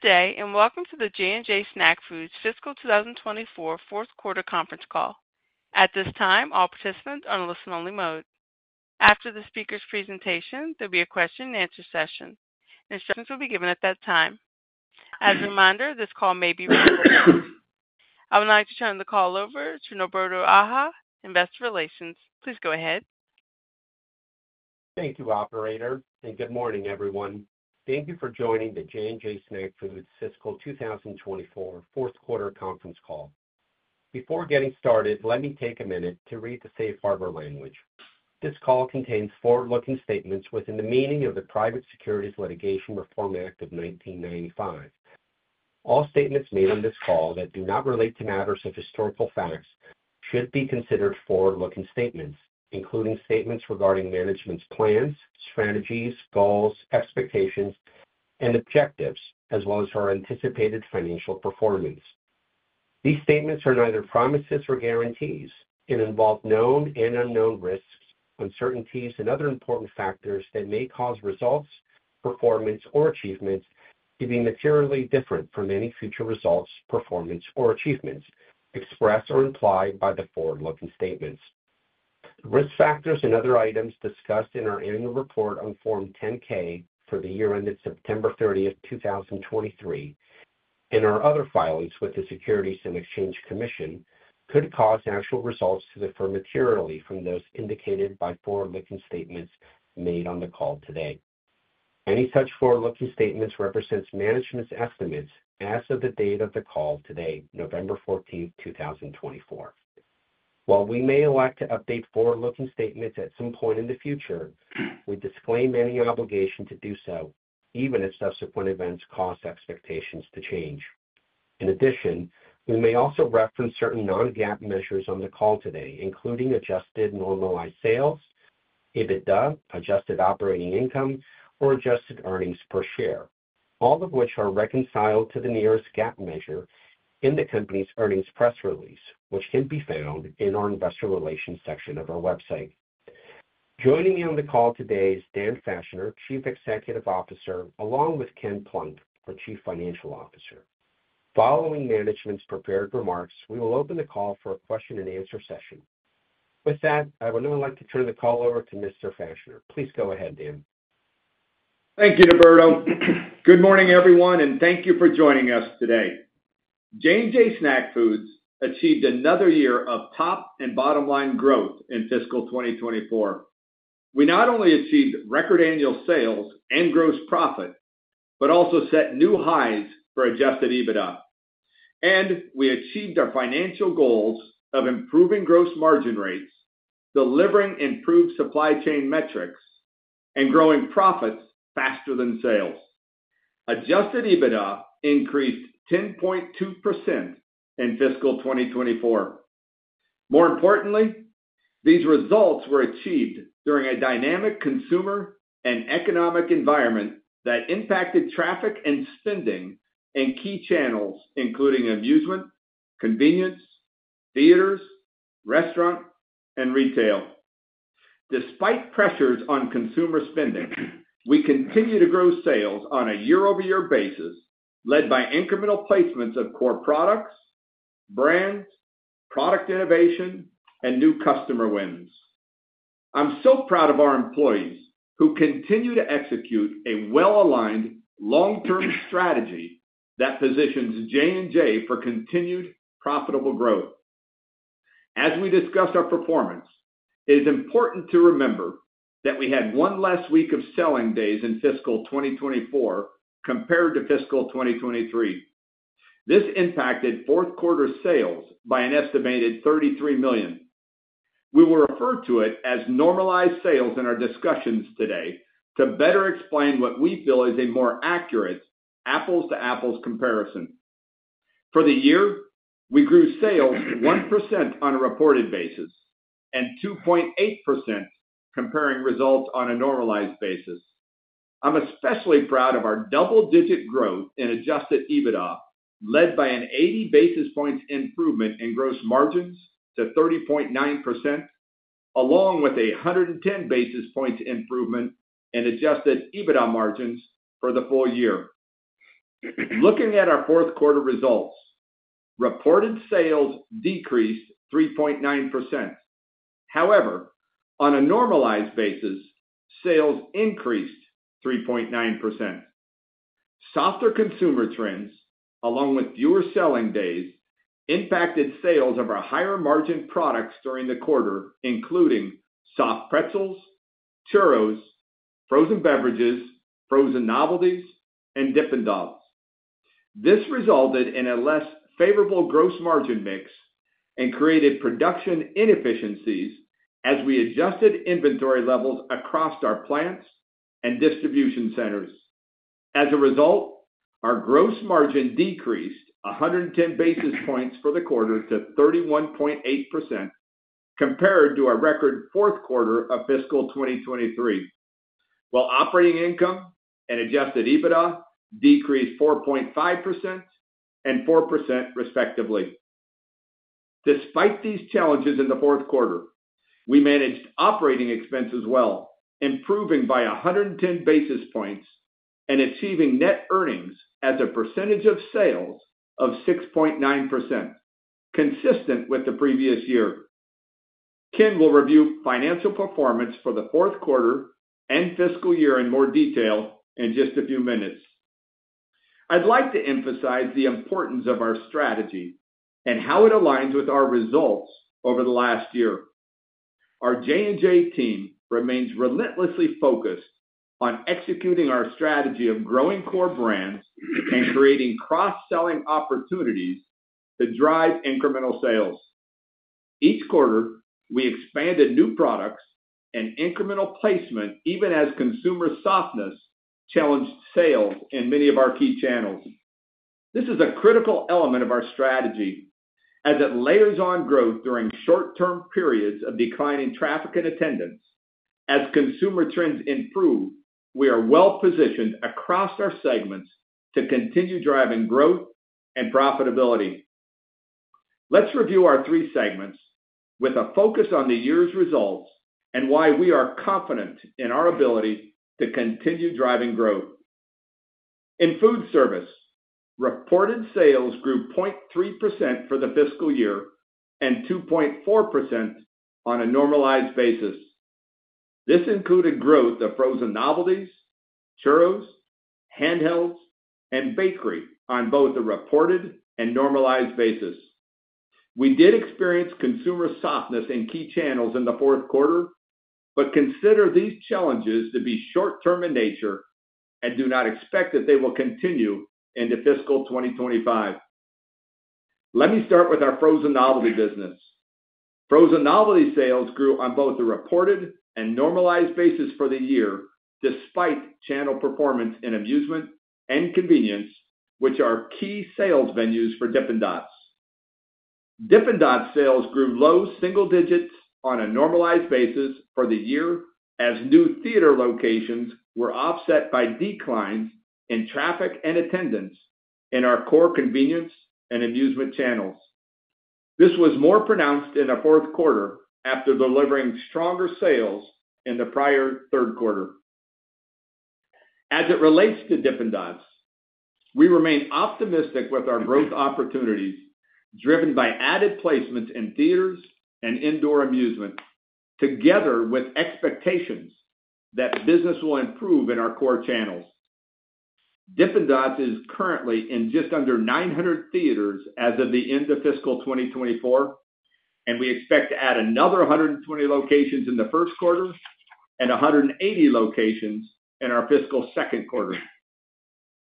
Good day, and welcome to the J&J Snack Foods Fiscal 2024 Fourth Quarter conference call. At this time, all participants are in a listen-only mode. After the speaker's presentation, there'll be a question-and-answer session. Instructions will be given at that time. As a reminder, this call may be recorded. I would like to turn the call over to Norberto Aja, Investor Relations. Please go ahead. Thank you, Operator, and good morning, everyone. Thank you for joining the J&J Snack Foods Fiscal 2024 Fourth Quarter Conference Call. Before getting started, let me take a minute to read the safe harbor language. This call contains forward-looking statements within the meaning of the Private Securities Litigation Reform Act of 1995. All statements made on this call that do not relate to matters of historical facts should be considered forward-looking statements, including statements regarding management's plans, strategies, goals, expectations, and objectives, as well as her anticipated financial performance. These statements are neither promises nor guarantees and involve known and unknown risks, uncertainties, and other important factors that may cause results, performance, or achievements to be materially different from any future results, performance, or achievements expressed or implied by the forward-looking statements. Risk factors and other items discussed in our annual report on Form 10-K for the year ended September 30th, 2023, and our other filings with the Securities and Exchange Commission could cause actual results to differ materially from those indicated by forward-looking statements made on the call today. Any such forward-looking statements represents management's estimates as of the date of the call today, November 14th, 2024. While we may elect to update forward-looking statements at some point in the future, we disclaim any obligation to do so, even if subsequent events cause expectations to change. In addition, we may also reference certain non-GAAP measures on the call today, including adjusted normalized sales, EBITDA, adjusted operating income, or adjusted earnings per share, all of which are reconciled to the nearest GAAP measure in the company's earnings press release, which can be found in our Investor Relations section of our website. Joining me on the call today is Daniel Fachner, Chief Executive Officer, along with Ken Plunk, our Chief Financial Officer. Following management's prepared remarks, we will open the call for a question-and-answer session. With that, I would now like to turn the call over to Mr. Fachner. Please go ahead, Dan. Thank you, Norberto. Good morning, everyone, and thank you for joining us today. J&J Snack Foods achieved another year of top and bottom-line growth in Fiscal 2024. We not only achieved record annual sales and gross profit, but also set new highs for Adjusted EBITDA and achieved our financial goals of improving gross margin rates, delivering improved supply chain metrics, and growing profits faster than sales. Adjusted EBITDA increased 10.2% in Fiscal 2024. More importantly, these results were achieved during a dynamic consumer and economic environment that impacted traffic and spending in key channels, including amusement, convenience, theaters, restaurants, and retail. Despite pressures on consumer spending, we continue to grow sales on a year-over-year basis, led by incremental placements of core products, brands, product innovation, and new customer wins. I'm so proud of our employees who continue to execute a well-aligned long-term strategy that positions J&J for continued profitable growth. As we discuss our performance, it is important to remember that we had one less week of selling days in Fiscal 2024 compared to Fiscal 2023. This impacted fourth-quarter sales by an estimated $33 million. We will refer to it as normalized sales in our discussions today to better explain what we feel is a more accurate apples-to-apples comparison. For the year, we grew sales 1% on a reported basis and 2.8% comparing results on a normalized basis. I'm especially proud of our double-digit growth in Adjusted EBITDA, led by an 80 basis points improvement in gross margins to 30.9%, along with a 110 basis points improvement in Adjusted EBITDA margins for the full year. Looking at our fourth-quarter results, reported sales decreased 3.9%. However, on a normalized basis, sales increased 3.9%. Softer consumer trends, along with fewer selling days, impacted sales of our higher-margin products during the quarter, including soft pretzels, churros, frozen beverages, frozen novelties, and Dippin' Dots. This resulted in a less favorable gross margin mix and created production inefficiencies as we adjusted inventory levels across our plants and distribution centers. As a result, our gross margin decreased 110 basis points for the quarter to 31.8% compared to our record fourth quarter of Fiscal 2023, while operating income and Adjusted EBITDA decreased 4.5% and 4% respectively. Despite these challenges in the fourth quarter, we managed operating expenses well, improving by 110 basis points and achieving net earnings as a percentage of sales of 6.9%, consistent with the previous year. Ken will review financial performance for the fourth quarter and fiscal year in more detail in just a few minutes. I'd like to emphasize the importance of our strategy and how it aligns with our results over the last year. Our J&J team remains relentlessly focused on executing our strategy of growing core brands and creating cross-selling opportunities to drive incremental sales. Each quarter, we expanded new products and incremental placement, even as consumer softness challenged sales in many of our key channels. This is a critical element of our strategy as it layers on growth during short-term periods of declining traffic and attendance. As consumer trends improve, we are well-positioned across our segments to continue driving growth and profitability. Let's review our three segments with a focus on the year's results and why we are confident in our ability to continue driving growth. In food service, reported sales grew 0.3% for the fiscal year and 2.4% on a normalized basis. This included growth of frozen novelties, churros, handhelds, and bakery on both a reported and normalized basis. We did experience consumer softness in key channels in the fourth quarter, but consider these challenges to be short-term in nature and do not expect that they will continue into Fiscal 2025. Let me start with our frozen novelty business. Frozen novelty sales grew on both a reported and normalized basis for the year, despite channel performance in amusement and convenience, which are key sales venues for Dippin' Dots. Dippin' Dots sales grew low single digits on a normalized basis for the year as new theater locations were offset by declines in traffic and attendance in our core convenience and amusement channels. This was more pronounced in the fourth quarter after delivering stronger sales in the prior third quarter. As it relates to Dippin' Dots, we remain optimistic with our growth opportunities driven by added placements in theaters and indoor amusement, together with expectations that business will improve in our core channels. Dippin' Dots is currently in just under 900 theaters as of the end of Fiscal 2024, and we expect to add another 120 locations in the first quarter and 180 locations in our Fiscal second quarter.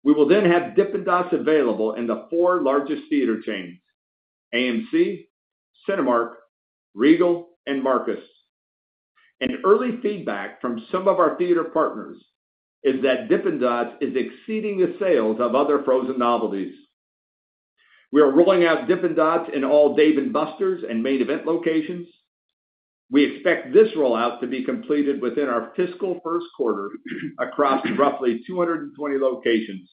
We will then have Dippin' Dots available in the four largest theater chains: AMC, Cinemark, Regal, and Marcus. Early feedback from some of our theater partners is that Dippin' Dots is exceeding the sales of other frozen novelties. We are rolling out Dippin' Dots in all Dave & Buster's and Main Event locations. We expect this rollout to be completed within our fiscal first quarter across roughly 220 locations.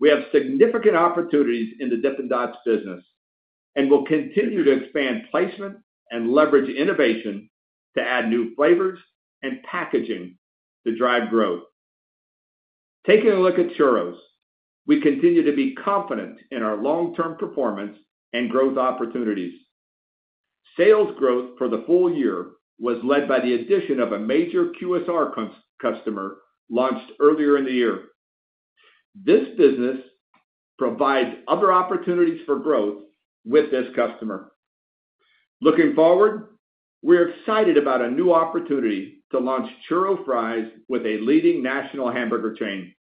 We have significant opportunities in the Dippin' Dots business and will continue to expand placement and leverage innovation to add new flavors and packaging to drive growth. Taking a look at churros, we continue to be confident in our long-term performance and growth opportunities. Sales growth for the full year was led by the addition of a major QSR customer launched earlier in the year. This business provides other opportunities for growth with this customer. Looking forward, we're excited about a new opportunity to launch churro fries with a leading national hamburger chain.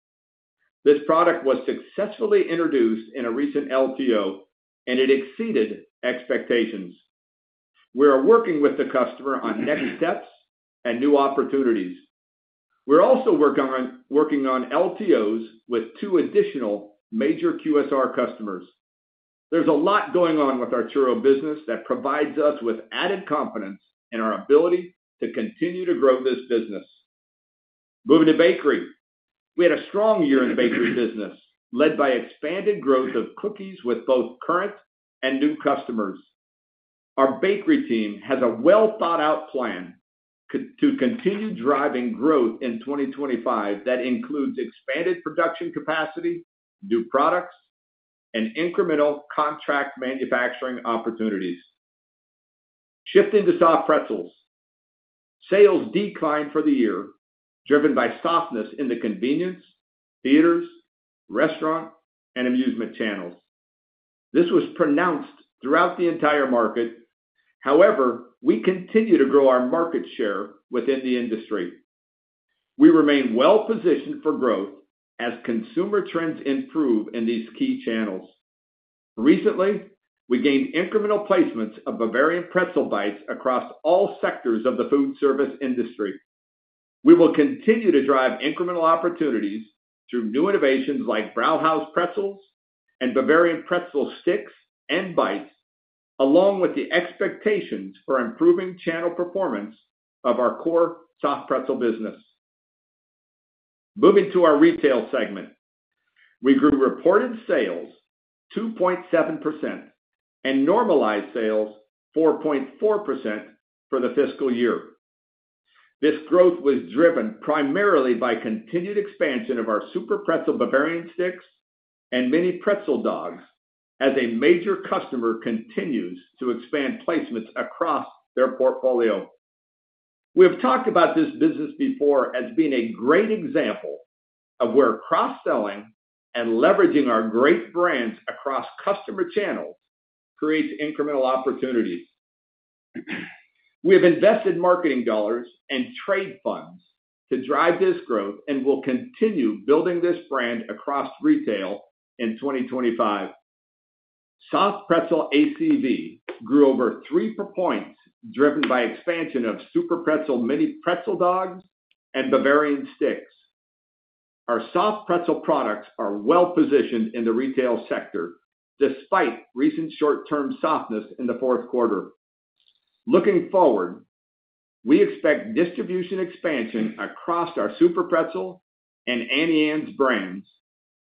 This product was successfully introduced in a recent LTO, and it exceeded expectations. We are working with the customer on next steps and new opportunities. We're also working on LTOs with two additional major QSR customers. There's a lot going on with our churro business that provides us with added confidence in our ability to continue to grow this business. Moving to bakery, we had a strong year in the bakery business, led by expanded growth of cookies with both current and new customers. Our bakery team has a well-thought-out plan to continue driving growth in 2025 that includes expanded production capacity, new products, and incremental contract manufacturing opportunities. Shifting to soft pretzels, sales declined for the year driven by softness in the convenience, theaters, restaurant, and amusement channels. This was pronounced throughout the entire market. However, we continue to grow our market share within the industry. We remain well-positioned for growth as consumer trends improve in these key channels. Recently, we gained incremental placements of Bavarian Pretzel Bites across all sectors of the food service industry. We will continue to drive incremental opportunities through new innovations like Brauhaus pretzels and Bavarian pretzel sticks and bites, along with the expectations for improving channel performance of our core soft pretzel business. Moving to our retail segment, we grew reported sales 2.7% and normalized sales 4.4% for the fiscal year. This growth was driven primarily by continued expansion of our SUPERPRETZEL Bavarian sticks and mini pretzel dogs as a major customer continues to expand placements across their portfolio. We have talked about this business before as being a great example of where cross-selling and leveraging our great brands across customer channels creates incremental opportunities. We have invested marketing dollars and trade funds to drive this growth and will continue building this brand across retail in 2025. Soft pretzel ACV grew over three points driven by expansion of SUPERPRETZEL mini pretzel dogs and Bavarian sticks. Our soft pretzel products are well-positioned in the retail sector despite recent short-term softness in the fourth quarter. Looking forward, we expect distribution expansion across our SUPERPRETZEL and Auntie Anne's brands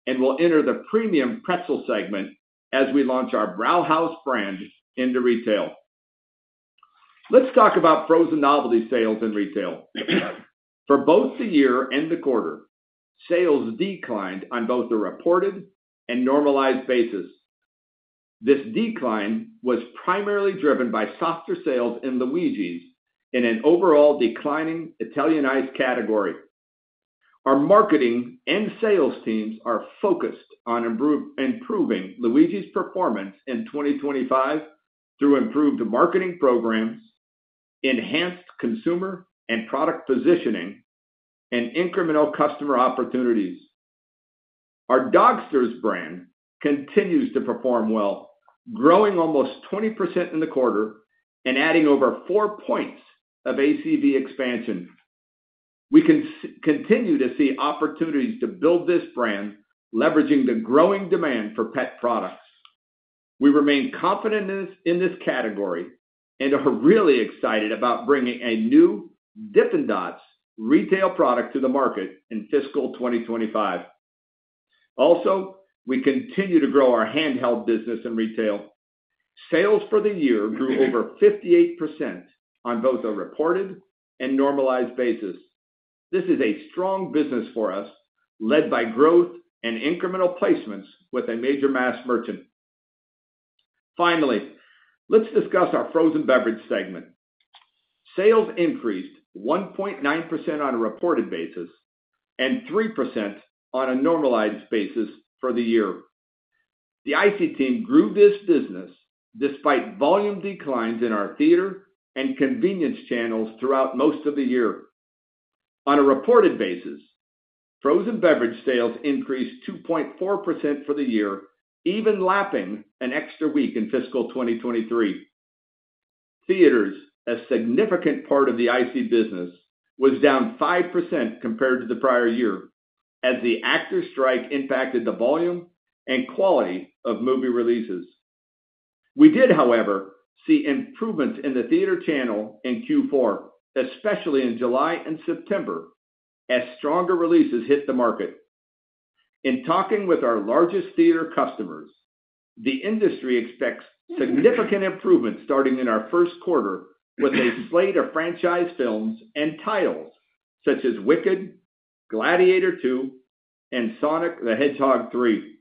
and will enter the premium pretzel segment as we launch our Brauhaus brand into retail. Let's talk about frozen novelty sales in retail. For both the year and the quarter, sales declined on both a reported and normalized basis. This decline was primarily driven by softer sales in LUIGI'S in an overall declining Italian Ice category. Our marketing and sales teams are focused on improving LUIGI'S performance in 2025 through improved marketing programs, enhanced consumer and product positioning, and incremental customer opportunities. Our Dogsters brand continues to perform well, growing almost 20% in the quarter and adding over four points of ACV expansion. We can continue to see opportunities to build this brand, leveraging the growing demand for pet products. We remain confident in this category and are really excited about bringing a new Dippin' Dots retail product to the market in fiscal 2025. Also, we continue to grow our handheld business in retail. Sales for the year grew over 58% on both a reported and normalized basis. This is a strong business for us, led by growth and incremental placements with a major mass merchant. Finally, let's discuss our frozen beverage segment. Sales increased 1.9% on a reported basis and 3% on a normalized basis for the year. The ICEE team grew this business despite volume declines in our theater and convenience channels throughout most of the year. On a reported basis, frozen beverage sales increased 2.4% for the year, even lapping an extra week in fiscal 2023. Theaters, a significant part of the ICEE business, was down 5% compared to the prior year as the actor strike impacted the volume and quality of movie releases. We did, however, see improvements in the theater channel in Q4, especially in July and September, as stronger releases hit the market. In talking with our largest theater customers, the industry expects significant improvements starting in our first quarter with a slate of franchise films and titles such as Wicked, Gladiator II, and Sonic the Hedgehog 3.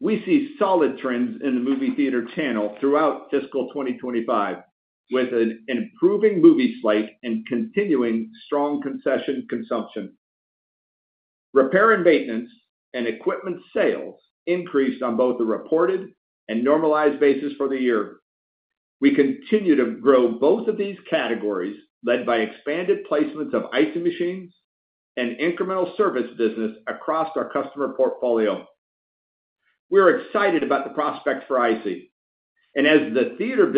We see solid trends in the movie theater channel throughout fiscal 2025, with an improving movie slate and continuing strong concession consumption. Repair and maintenance and equipment sales increased on both a reported and normalized basis for the year. We continue to grow both of these categories, led by expanded placements of ICEE machines and incremental service business across our customer portfolio. We are excited about the prospects for ICEE, and as the theater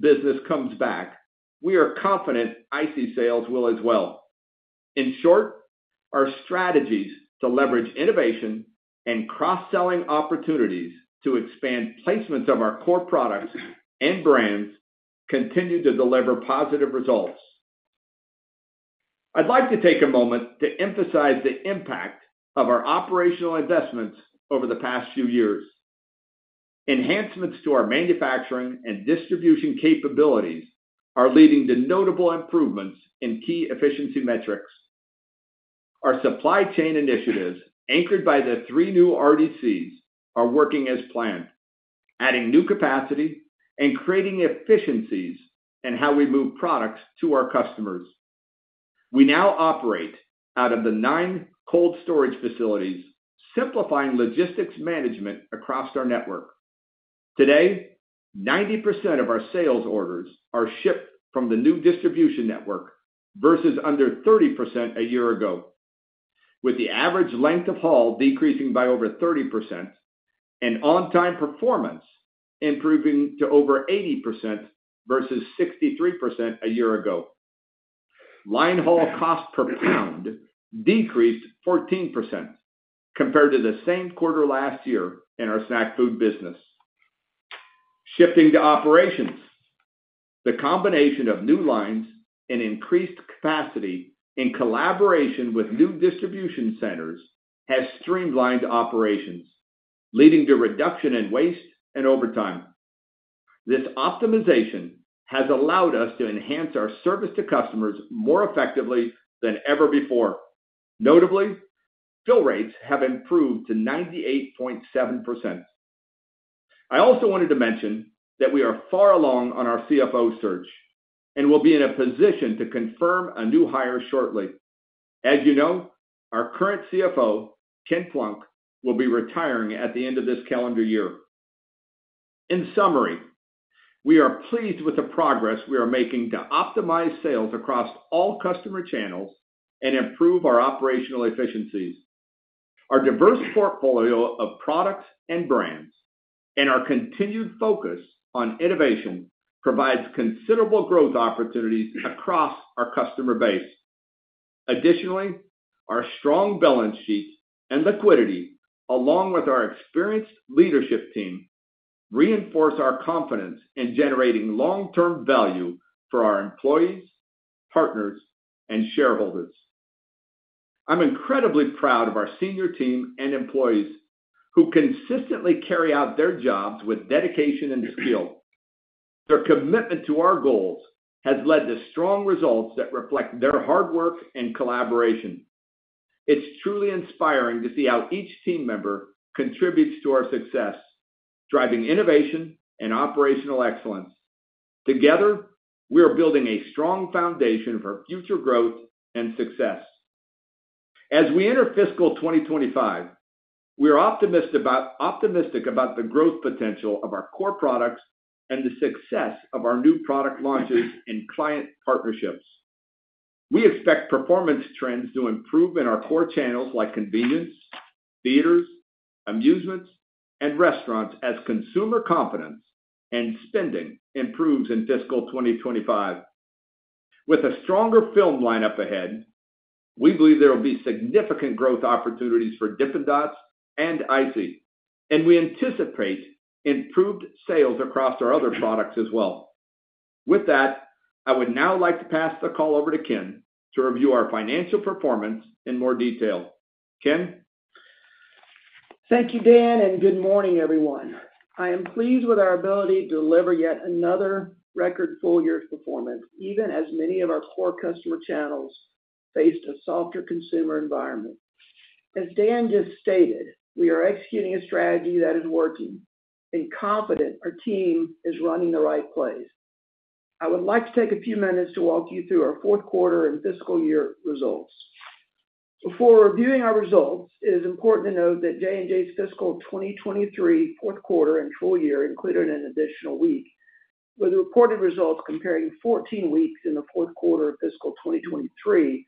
business comes back, we are confident ICEE sales will as well. In short, our strategies to leverage innovation and cross-selling opportunities to expand placements of our core products and brands continue to deliver positive results. I'd like to take a moment to emphasize the impact of our operational investments over the past few years. Enhancements to our manufacturing and distribution capabilities are leading to notable improvements in key efficiency metrics. Our supply chain initiatives, anchored by the three new RDCs, are working as planned, adding new capacity and creating efficiencies in how we move products to our customers. We now operate out of the nine cold storage facilities, simplifying logistics management across our network. Today, 90% of our sales orders are shipped from the new distribution network versus under 30% a year ago, with the average length of haul decreasing by over 30% and on-time performance improving to over 80% versus 63% a year ago. Line haul cost per pound decreased 14% compared to the same quarter last year in our snack food business. Shifting to operations, the combination of new lines and increased capacity in collaboration with new distribution centers has streamlined operations, leading to reduction in waste and overtime. This optimization has allowed us to enhance our service to customers more effectively than ever before. Notably, fill rates have improved to 98.7%. I also wanted to mention that we are far along on our CFO search and will be in a position to confirm a new hire shortly. As you know, our current CFO, Ken Plunk, will be retiring at the end of this calendar year. In summary, we are pleased with the progress we are making to optimize sales across all customer channels and improve our operational efficiencies. Our diverse portfolio of products and brands and our continued focus on innovation provides considerable growth opportunities across our customer base. Additionally, our strong balance sheet and liquidity, along with our experienced leadership team, reinforce our confidence in generating long-term value for our employees, partners, and shareholders. I'm incredibly proud of our senior team and employees who consistently carry out their jobs with dedication and skill. Their commitment to our goals has led to strong results that reflect their hard work and collaboration. It's truly inspiring to see how each team member contributes to our success, driving innovation and operational excellence. Together, we are building a strong foundation for future growth and success. As we enter fiscal 2025, we are optimistic about the growth potential of our core products and the success of our new product launches and client partnerships. We expect performance trends to improve in our core channels like convenience, theaters, amusements, and restaurants as consumer confidence and spending improves in fiscal 2025. With a stronger film lineup ahead, we believe there will be significant growth opportunities for Dippin' Dots and ICEE, and we anticipate improved sales across our other products as well. With that, I would now like to pass the call over to Ken to review our financial performance in more detail. Ken? Thank you, Dan, and good morning, everyone. I am pleased with our ability to deliver yet another record full year's performance, even as many of our core customer channels faced a softer consumer environment. As Dan just stated, we are executing a strategy that is working, and confident our team is running the right place. I would like to take a few minutes to walk you through our fourth quarter and fiscal year results. Before reviewing our results, it is important to note that J&J's fiscal 2023 fourth quarter and full year included an additional week, with reported results comparing 14 weeks in the fourth quarter of fiscal 2023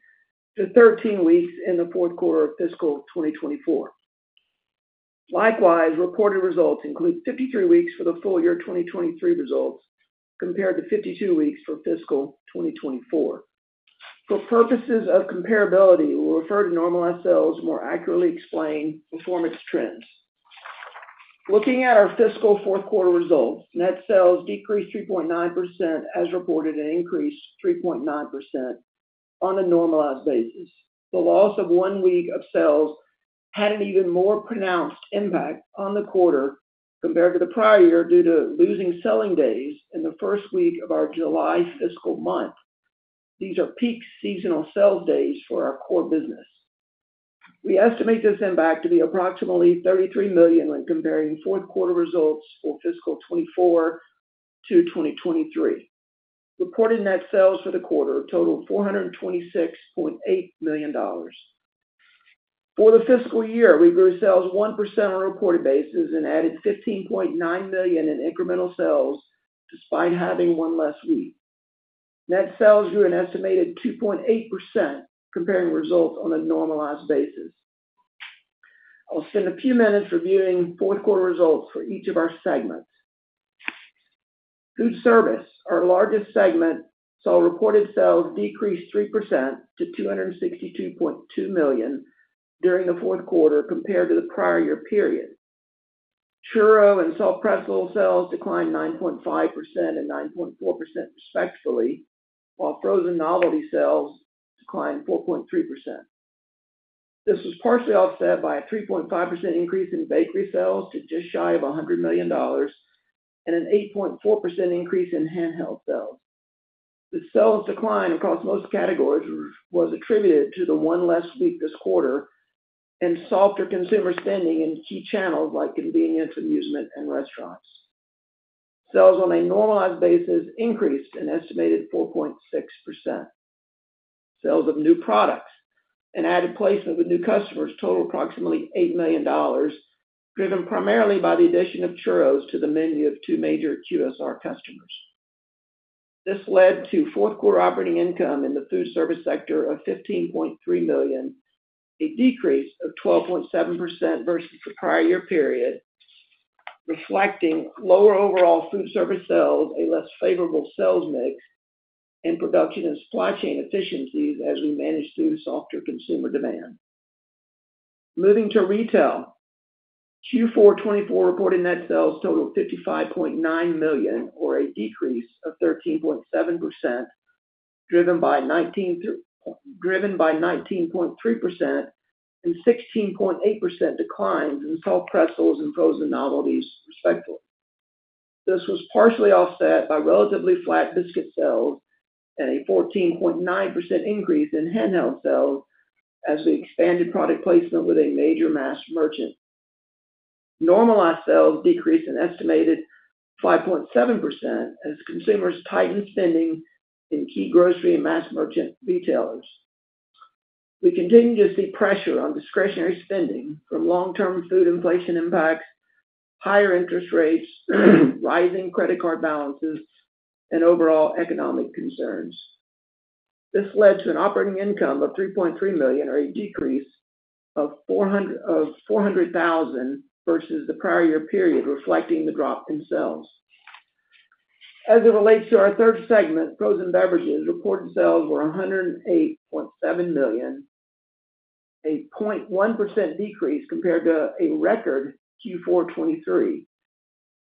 to 13 weeks in the fourth quarter of fiscal 2024. Likewise, reported results include 53 weeks for the full year 2023 results compared to 52 weeks for fiscal 2024. For purposes of comparability, we'll refer to normalized sales to more accurately explain performance trends. Looking at our fiscal fourth quarter results, net sales decreased 3.9% as reported and increased 3.9% on a normalized basis. The loss of one week of sales had an even more pronounced impact on the quarter compared to the prior year due to losing selling days in the first week of our July fiscal month. These are peak seasonal sales days for our core business. We estimate this impact to be approximately $33 million when comparing fourth quarter results for fiscal 2024 to 2023. Reported net sales for the quarter totaled $426.8 million. For the fiscal year, we grew sales 1% on a reported basis and added $15.9 million in incremental sales despite having one less week. Net sales grew an estimated 2.8% comparing results on a normalized basis. I'll spend a few minutes reviewing fourth quarter results for each of our segments. Food service, our largest segment, saw reported sales decrease 3% to $262.2 million during the fourth quarter compared to the prior year period. Churro and soft pretzel sales declined 9.5% and 9.4% respectively, while frozen novelty sales declined 4.3%. This was partially offset by a 3.5% increase in bakery sales to just shy of $100 million and an 8.4% increase in handheld sales. The sales decline across most categories was attributed to the one less week this quarter and softer consumer spending in key channels like convenience, amusement, and restaurants. Sales on a normalized basis increased an estimated 4.6%. Sales of new products and added placement with new customers totaled approximately $8 million, driven primarily by the addition of churros to the menu of two major QSR customers. This led to fourth quarter operating income in the food service sector of $15.3 million, a decrease of 12.7% versus the prior year period, reflecting lower overall food service sales, a less favorable sales mix, and production and supply chain efficiencies as we managed through softer consumer demand. Moving to retail, Q4 2024 reported net sales totaled $55.9 million, or a decrease of 13.7%, driven by 19.3% and 16.8% declines in soft pretzels and frozen novelty respectively. This was partially offset by relatively flat biscuit sales and a 14.9% increase in handheld sales as we expanded product placement with a major mass merchant. Normalized sales decreased an estimated 5.7% as consumers tightened spending in key grocery and mass merchant retailers. We continue to see pressure on discretionary spending from long-term food inflation impacts, higher interest rates, rising credit card balances, and overall economic concerns. This led to an operating income of $3.3 million, or a decrease of $400,000 versus the prior year period, reflecting the drop in sales. As it relates to our third segment, frozen beverages reported sales were $108.7 million, a 0.1% decrease compared to a record Q4 2023.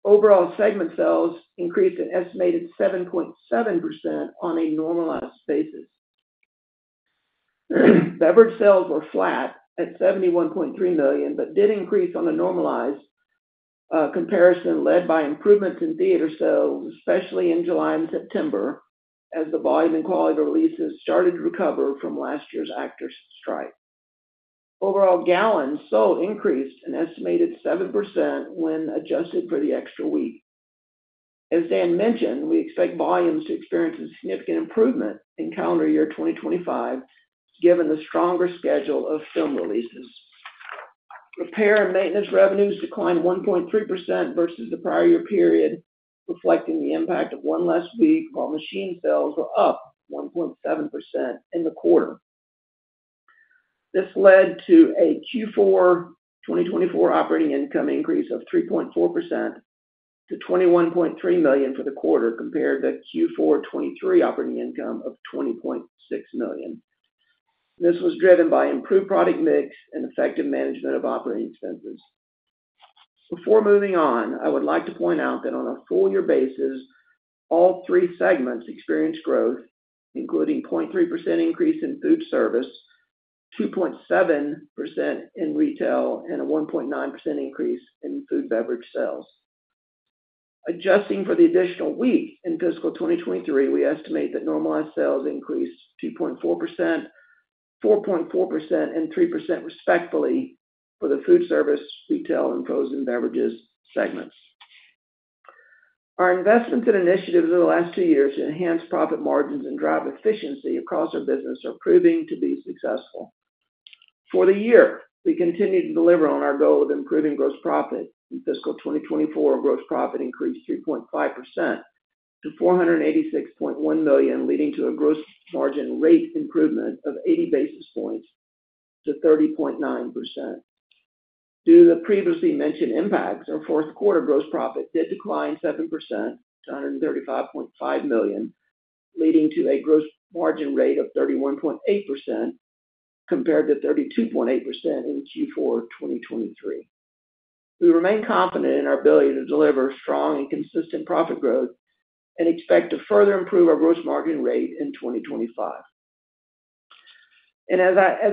Overall segment sales increased an estimated 7.7% on a normalized basis. Beverage sales were flat at $71.3 million, but did increase on a normalized comparison led by improvements in theater sales, especially in July and September, as the volume and quality of releases started to recover from last year's actor strike. Overall, gallons sold increased an estimated 7% when adjusted for the extra week. As Dan mentioned, we expect volumes to experience a significant improvement in calendar year 2025, given the stronger schedule of film releases. Repair and maintenance revenues declined 1.3% versus the prior year period, reflecting the impact of one less week, while machine sales were up 1.7% in the quarter. This led to a Q4 2024 operating income increase of 3.4% to $21.3 million for the quarter compared to Q4 2023 operating income of $20.6 million. This was driven by improved product mix and effective management of operating expenses. Before moving on, I would like to point out that on a full year basis, all three segments experienced growth, including 0.3% increase in food service, 2.7% in retail, and a 1.9% increase in food and beverage sales. Adjusting for the additional week in fiscal 2023, we estimate that normalized sales increased 2.4%, 4.4%, and 3% respectively for the food service, retail, and frozen beverages segments. Our investments and initiatives over the last two years to enhance profit margins and drive efficiency across our business are proving to be successful. For the year, we continue to deliver on our goal of improving gross profit. In fiscal 2024, gross profit increased 3.5% to $486.1 million, leading to a gross margin rate improvement of 80 basis points to 30.9%. Due to the previously mentioned impacts, our fourth quarter gross profit did decline 7% to $135.5 million, leading to a gross margin rate of 31.8% compared to 32.8% in Q4 2023. We remain confident in our ability to deliver strong and consistent profit growth and expect to further improve our gross margin rate in 2025. As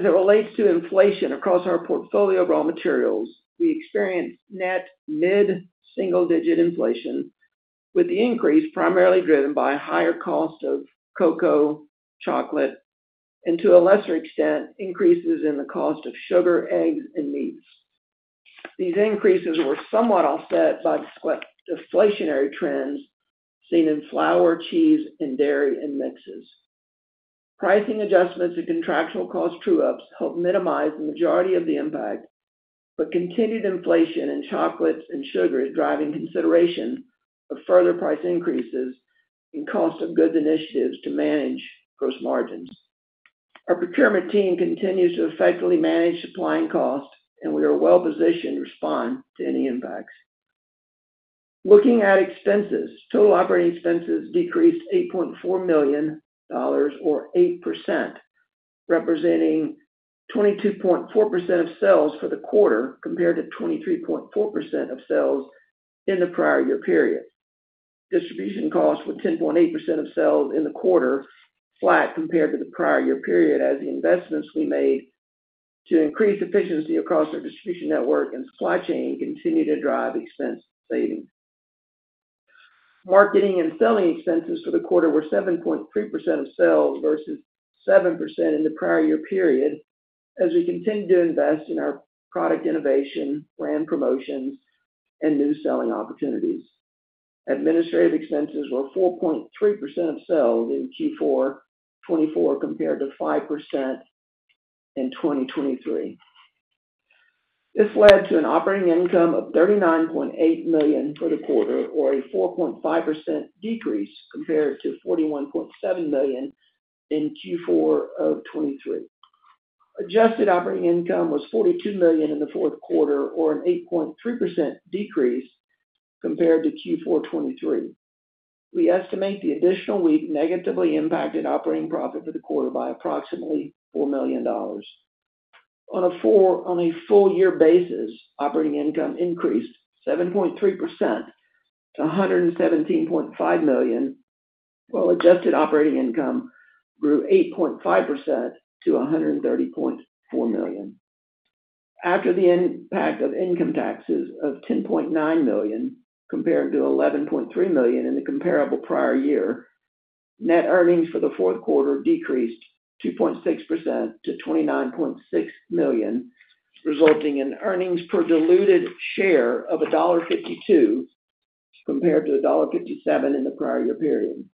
it relates to inflation across our portfolio of raw materials, we experienced net mid-single-digit inflation, with the increase primarily driven by higher cost of cocoa, chocolate, and to a lesser extent, increases in the cost of sugar, eggs, and meats. These increases were somewhat offset by deflationary trends seen in flour, cheese, and dairy and mixes. Pricing adjustments and contractual cost true-ups helped minimize the majority of the impact, but continued inflation in chocolates and sugar is driving consideration of further price increases and cost of goods initiatives to manage gross margins. Our procurement team continues to effectively manage supply and cost, and we are well-positioned to respond to any impacts. Looking at expenses, total operating expenses decreased $8.4 million, or 8%, representing 22.4% of sales for the quarter compared to 23.4% of sales in the prior year period. Distribution costs were 10.8% of sales in the quarter, flat compared to the prior year period, as the investments we made to increase efficiency across our distribution network and supply chain continue to drive expense savings. Marketing and selling expenses for the quarter were 7.3% of sales versus 7% in the prior year period, as we continue to invest in our product innovation, brand promotions, and new selling opportunities. Administrative expenses were 4.3% of sales in Q4 2024 compared to 5% in 2023. This led to an operating income of $39.8 million for the quarter, or a 4.5% decrease compared to $41.7 million in Q4 of 2023. Adjusted operating income was $42 million in the fourth quarter, or an 8.3% decrease compared to Q4 2023. We estimate the additional week negatively impacted operating profit for the quarter by approximately $4 million. On a full year basis, operating income increased 7.3% to $117.5 million, while adjusted operating income grew 8.5% to $130.4 million. After the impact of income taxes of $10.9 million compared to $11.3 million in the comparable prior year, net earnings for the fourth quarter decreased 2.6% to $29.6 million, resulting in earnings per diluted share of $1.52 compared to $1.57 in the prior year period.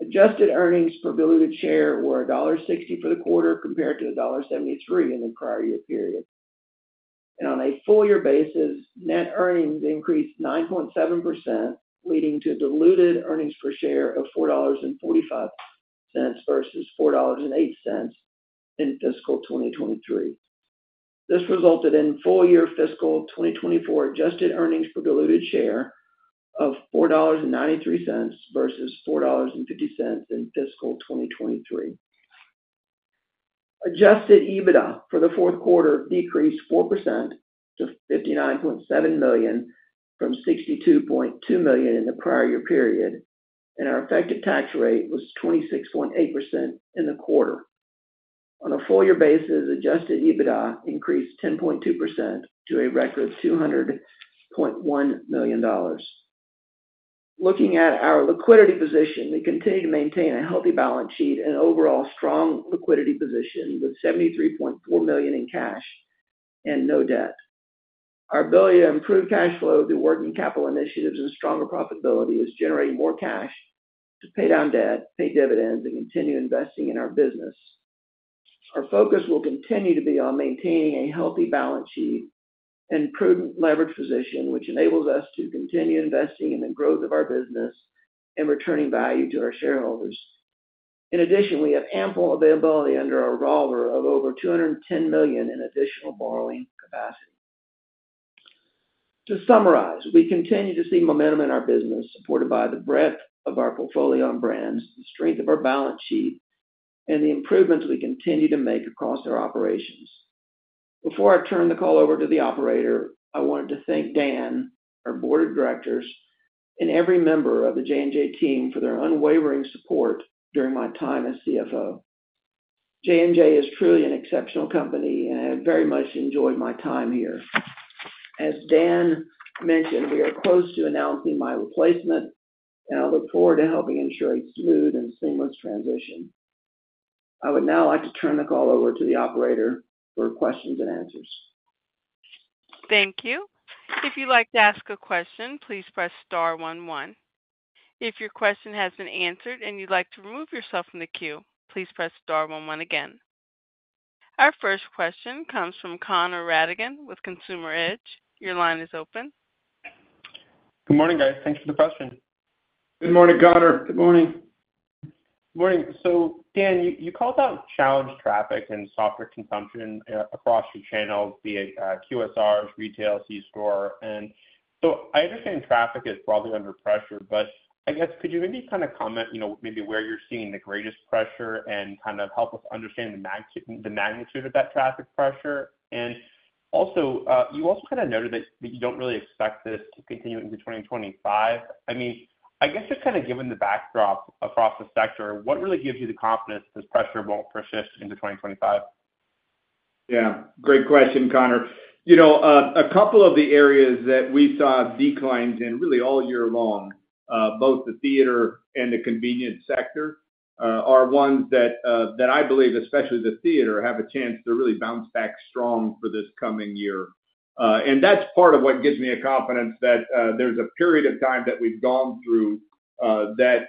Adjusted earnings per diluted share were $1.60 for the quarter compared to $1.73 in the prior year period, and on a full year basis, net earnings increased 9.7%, leading to diluted earnings per share of $4.45 versus $4.08 in fiscal 2023. This resulted in full year fiscal 2024 adjusted earnings per diluted share of $4.93 versus $4.50 in fiscal 2023. Adjusted EBITDA for the fourth quarter decreased 4% to $59.7 million from $62.2 million in the prior year period, and our effective tax rate was 26.8% in the quarter. On a full year basis, adjusted EBITDA increased 10.2% to a record of $200.1 million. Looking at our liquidity position, we continue to maintain a healthy balance sheet and overall strong liquidity position with $73.4 million in cash and no debt. Our ability to improve cash flow through working capital initiatives and stronger profitability is generating more cash to pay down debt, pay dividends, and continue investing in our business. Our focus will continue to be on maintaining a healthy balance sheet and prudent leverage position, which enables us to continue investing in the growth of our business and returning value to our shareholders. In addition, we have ample availability under our revolver of over $210 million in additional borrowing capacity. To summarize, we continue to see momentum in our business, supported by the breadth of our portfolio and brands, the strength of our balance sheet, and the improvements we continue to make across our operations. Before I turn the call over to the operator, I wanted to thank Dan, our board of directors, and every member of the J&J team for their unwavering support during my time as CFO. J&J is truly an exceptional company, and I have very much enjoyed my time here. As Dan mentioned, we are close to announcing my replacement, and I look forward to helping ensure a smooth and seamless transition. I would now like to turn the call over to the operator for questions and answers. Thank you. If you'd like to ask a question, please press star one one. If your question has been answered and you'd like to remove yourself from the queue, please press star one one again. Our first question comes from Connor Rattigan with Consumer Edge. Your line is open. Good morning, guys. Thanks for the question. Good morning, Connor. Good morning. Good morning. So, Dan, you called out challenged traffic and softer consumption across your channels, be it QSRs, retail, C-store. And so I understand traffic is probably under pressure, but I guess could you maybe kind of comment maybe where you're seeing the greatest pressure and kind of help us understand the magnitude of that traffic pressure? And also, you also kind of noted that you don't really expect this to continue into 2025. I mean, I guess just kind of given the backdrop across the sector, what really gives you the confidence this pressure won't persist into 2025? Yeah. Great question, Connor. A couple of the areas that we saw declines in really all year long, both the theater and the convenience sector, are ones that I believe, especially the theater, have a chance to really bounce back strong for this coming year. And that's part of what gives me a confidence that there's a period of time that we've gone through that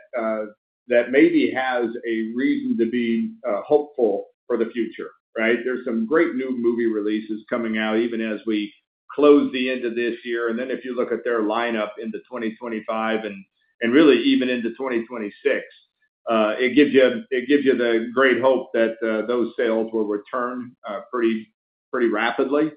maybe has a reason to be hopeful for the future, right? There's some great new movie releases coming out, even as we close the end of this year. And then if you look at their lineup in 2025 and really even into 2026, it gives you the great hope that those sales will return pretty rapidly.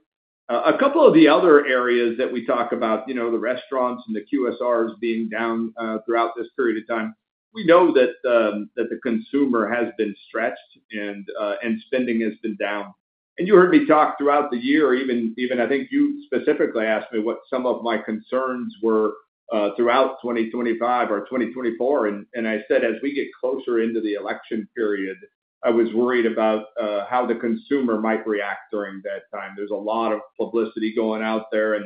A couple of the other areas that we talk about, the restaurants and the QSRs being down throughout this period of time, we know that the consumer has been stretched and spending has been down, and you heard me talk throughout the year, even I think you specifically asked me what some of my concerns were throughout 2025 or 2024, and I said, as we get closer into the election period, I was worried about how the consumer might react during that time. There's a lot of publicity going out there,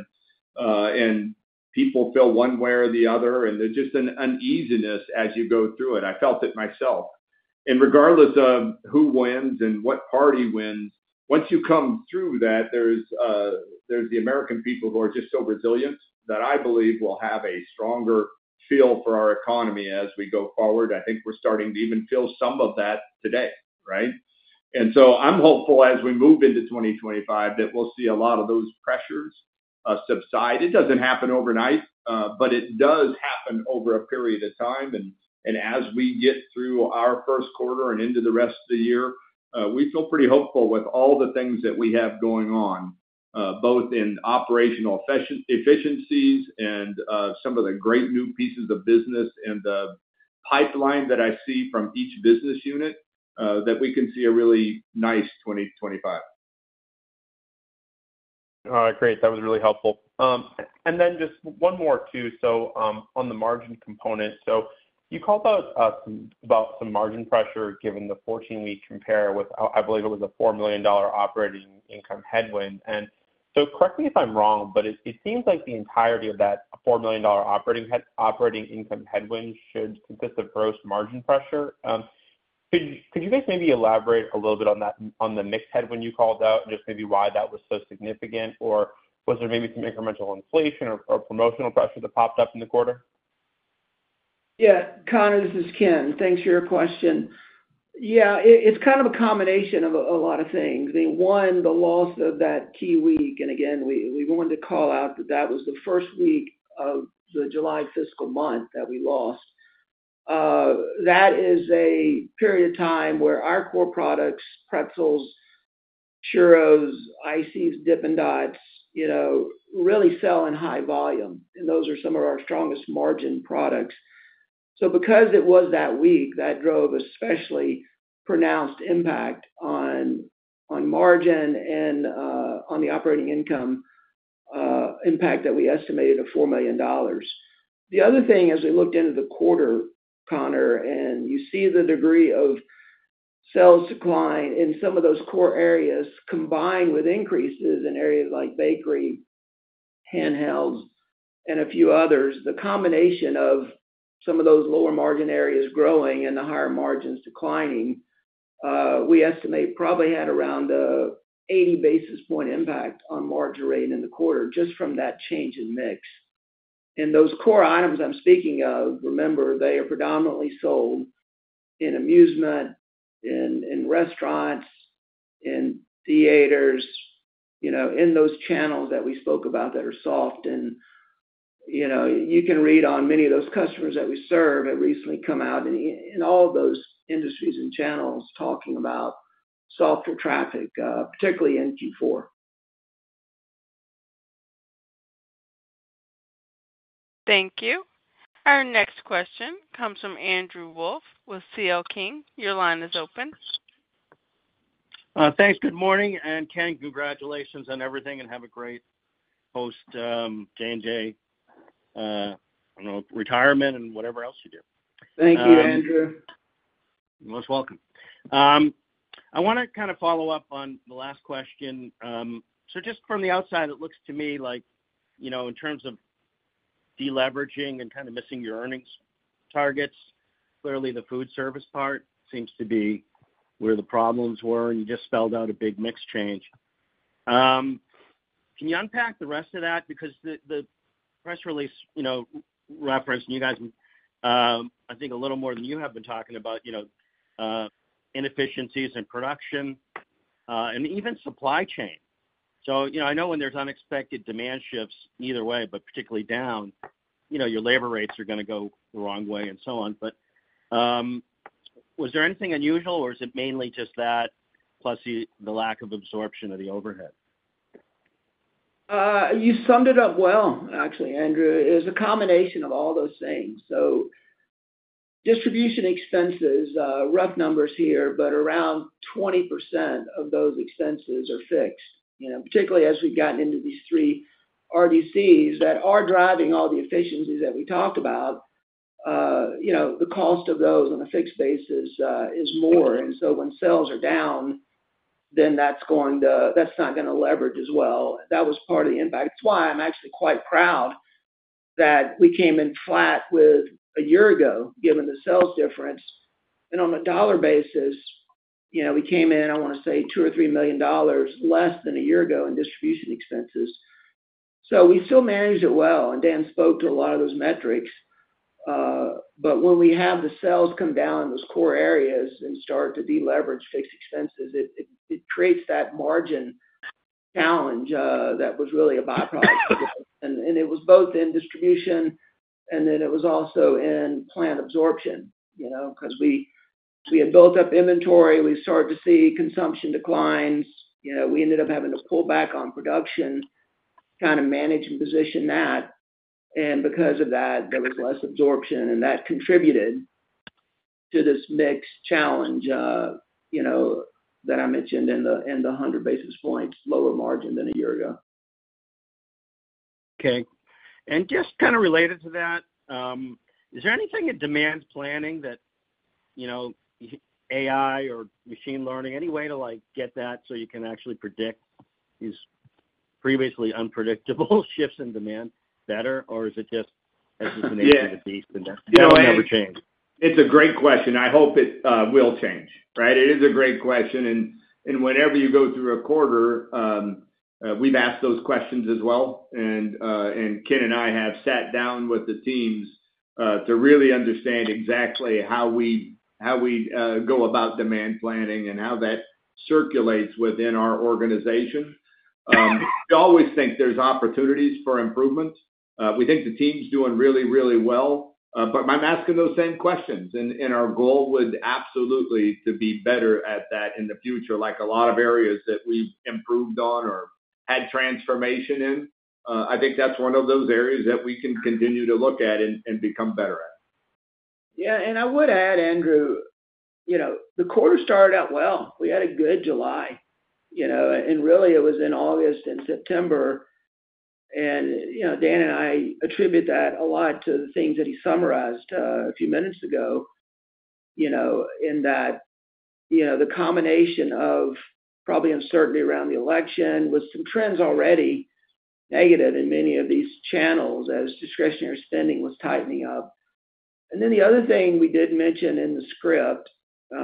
and people feel one way or the other, and there's just an uneasiness as you go through it. I felt it myself. Regardless of who wins and what party wins, once you come through that, there's the American people who are just so resilient that I believe will have a stronger feel for our economy as we go forward. I think we're starting to even feel some of that today, right? And so I'm hopeful as we move into 2025 that we'll see a lot of those pressures subside. It doesn't happen overnight, but it does happen over a period of time. And as we get through our first quarter and into the rest of the year, we feel pretty hopeful with all the things that we have going on, both in operational efficiencies and some of the great new pieces of business and the pipeline that I see from each business unit that we can see a really nice 2025. All right. Great. That was really helpful. And then just one more too. So on the margin component, so you called out about some margin pressure given the 14-week compare with, I believe it was a $4 million operating income headwind. And so correct me if I'm wrong, but it seems like the entirety of that $4 million operating income headwind should consist of gross margin pressure. Could you guys maybe elaborate a little bit on the mixed headwind you called out and just maybe why that was so significant? Or was there maybe some incremental inflation or promotional pressure that popped up in the quarter? Yeah. Connor, this is Ken. Thanks for your question. Yeah, it's kind of a combination of a lot of things. I mean, one, the loss of that key week. And again, we wanted to call out that that was the first week of the July fiscal month that we lost. That is a period of time where our core products, pretzels, churros, ICEE Dippin' Dots, really sell in high volume. And those are some of our strongest margin products. So because it was that week, that drove especially pronounced impact on margin and on the operating income impact that we estimated of $4 million. The other thing, as we looked into the quarter, Connor, and you see the degree of sales decline in some of those core areas combined with increases in areas like bakery, handhelds, and a few others, the combination of some of those lower margin areas growing and the higher margins declining, we estimate probably had around an 80 basis points impact on margin rate in the quarter just from that change in mix. And those core items I'm speaking of, remember, they are predominantly sold in amusement, in restaurants, in theaters, in those channels that we spoke about that are soft. And you can read on many of those customers that we serve that recently come out in all of those industries and channels talking about softer traffic, particularly in Q4. Thank you. Our next question comes from Andrew Wolf with C.L. King. Your line is open. Thanks. Good morning. And Ken, congratulations on everything and have a great post-J&J retirement and whatever else you do. Thank you, Andrew. You're most welcome. I want to kind of follow up on the last question. So just from the outside, it looks to me like in terms of deleveraging and kind of missing your earnings targets, clearly the food service part seems to be where the problems were. And you just spelled out a big mix change. Can you unpack the rest of that? Because the press release referenced, and you guys, I think, a little more than you have been talking about inefficiencies in production and even supply chain. So I know when there's unexpected demand shifts either way, but particularly down, your labor rates are going to go the wrong way and so on. But was there anything unusual, or is it mainly just that plus the lack of absorption of the overhead? You summed it up well, actually, Andrew. It was a combination of all those things. So distribution expenses, rough numbers here, but around 20% of those expenses are fixed, particularly as we've gotten into these three RDCs that are driving all the efficiencies that we talked about. The cost of those on a fixed basis is more. And so when sales are down, then that's not going to leverage as well. That was part of the impact. It's why I'm actually quite proud that we came in flat with a year ago given the sales difference. And on a dollar basis, we came in, I want to say, $2 or $3 million less than a year ago in distribution expenses. So we still managed it well. And Dan spoke to a lot of those metrics. But when we have the sales come down in those core areas and start to deleverage fixed expenses, it creates that margin challenge that was really a byproduct. And it was both in distribution, and then it was also in plant absorption. Because we had built up inventory, we started to see consumption declines. We ended up having to pull back on production, kind of manage and position that. And because of that, there was less absorption, and that contributed to this margin challenge that I mentioned in the 100 basis points lower margin than a year ago. Okay. And just kind of related to that, is there anything in demand planning that AI or machine learning, any way to get that so you can actually predict these previously unpredictable shifts in demand better? Or is it just as it's an age-old beast, and that's never changed? It's a great question. I hope it will change, right? It is a great question, and whenever you go through a quarter, we've asked those questions as well, and Ken and I have sat down with the teams to really understand exactly how we go about demand planning and how that circulates within our organization. We always think there's opportunities for improvement. We think the team's doing really, really well, but I'm asking those same questions, and our goal would absolutely be to be better at that in the future, like a lot of areas that we've improved on or had transformation in. I think that's one of those areas that we can continue to look at and become better at. Yeah. And I would add, Andrew, the quarter started out well. We had a good July. And really, it was in August and September. And Dan and I attribute that a lot to the things that he summarized a few minutes ago in that the combination of probably uncertainty around the election with some trends already negative in many of these channels as discretionary spending was tightening up. And then the other thing we did mention in the script,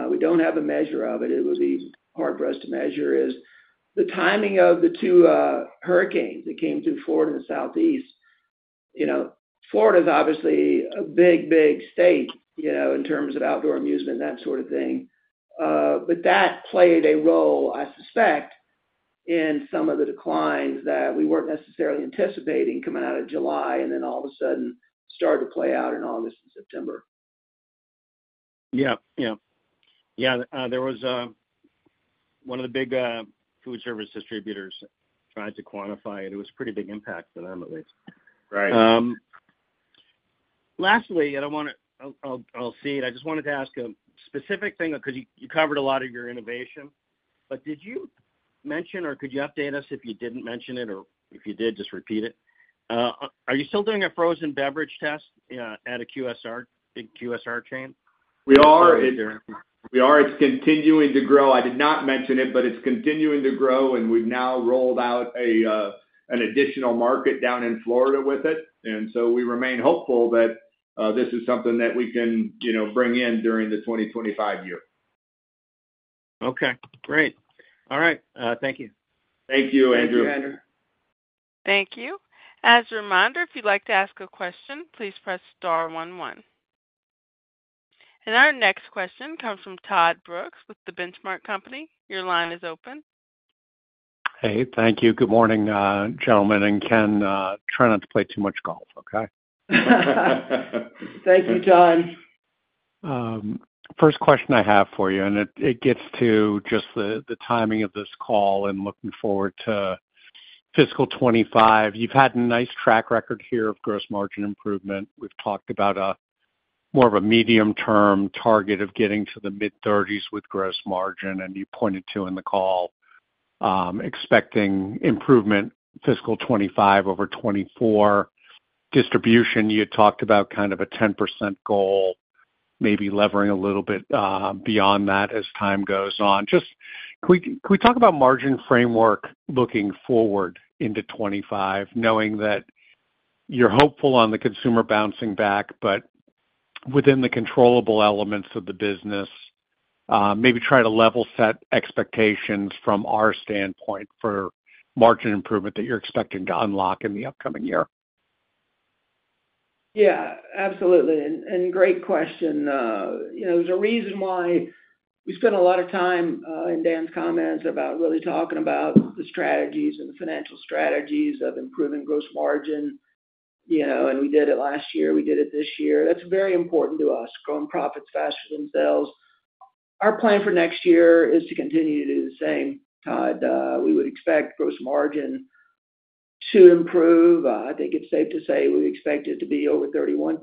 we don't have a measure of it. It would be hard for us to measure, is the timing of the two hurricanes that came through Florida and the Southeast. Florida is obviously a big, big state in terms of outdoor amusement, that sort of thing. But that played a role, I suspect, in some of the declines that we weren't necessarily anticipating coming out of July and then all of a sudden started to play out in August and September. Yeah. There was one of the big food service distributors tried to quantify it. It was a pretty big impact for them, at least. Lastly, I'll see it. I just wanted to ask a specific thing because you covered a lot of your innovation. But did you mention or could you update us if you didn't mention it? Or if you did, just repeat it. Are you still doing a frozen beverage test at a big QSR chain? We are. It's continuing to grow. I did not mention it, but it's continuing to grow. And we've now rolled out an additional market down in Florida with it. And so we remain hopeful that this is something that we can bring in during the 2025 year. Okay. Great. All right. Thank you. Thank you, Andrew. Thank you, Andrew. Thank you. As a reminder, if you'd like to ask a question, please press star one one. Our next question comes from Todd Brooks with The Benchmark Company. Your line is open. Hey. Thank you. Good morning, gentlemen. And Ken, try not to play too much golf, okay? Thank you, Todd. First question I have for you, and it gets to just the timing of this call and looking forward to fiscal 2025. You've had a nice track record here of gross margin improvement. We've talked about more of a medium-term target of getting to the mid-30s with gross margin. And you pointed to in the call expecting improvement fiscal 2025 over 2024. Distribution, you had talked about kind of a 10% goal, maybe leveraging a little bit beyond that as time goes on. Just can we talk about margin framework looking forward into 2025, knowing that you're hopeful on the consumer bouncing back, but within the controllable elements of the business, maybe try to level set expectations from our standpoint for margin improvement that you're expecting to unlock in the upcoming year? Yeah. Absolutely. And great question. There's a reason why we spent a lot of time in Dan's comments about really talking about the strategies and the financial strategies of improving gross margin. And we did it last year. We did it this year. That's very important to us. Growing profits faster than sales. Our plan for next year is to continue to do the same, Todd. We would expect gross margin to improve. I think it's safe to say we expect it to be over 31%,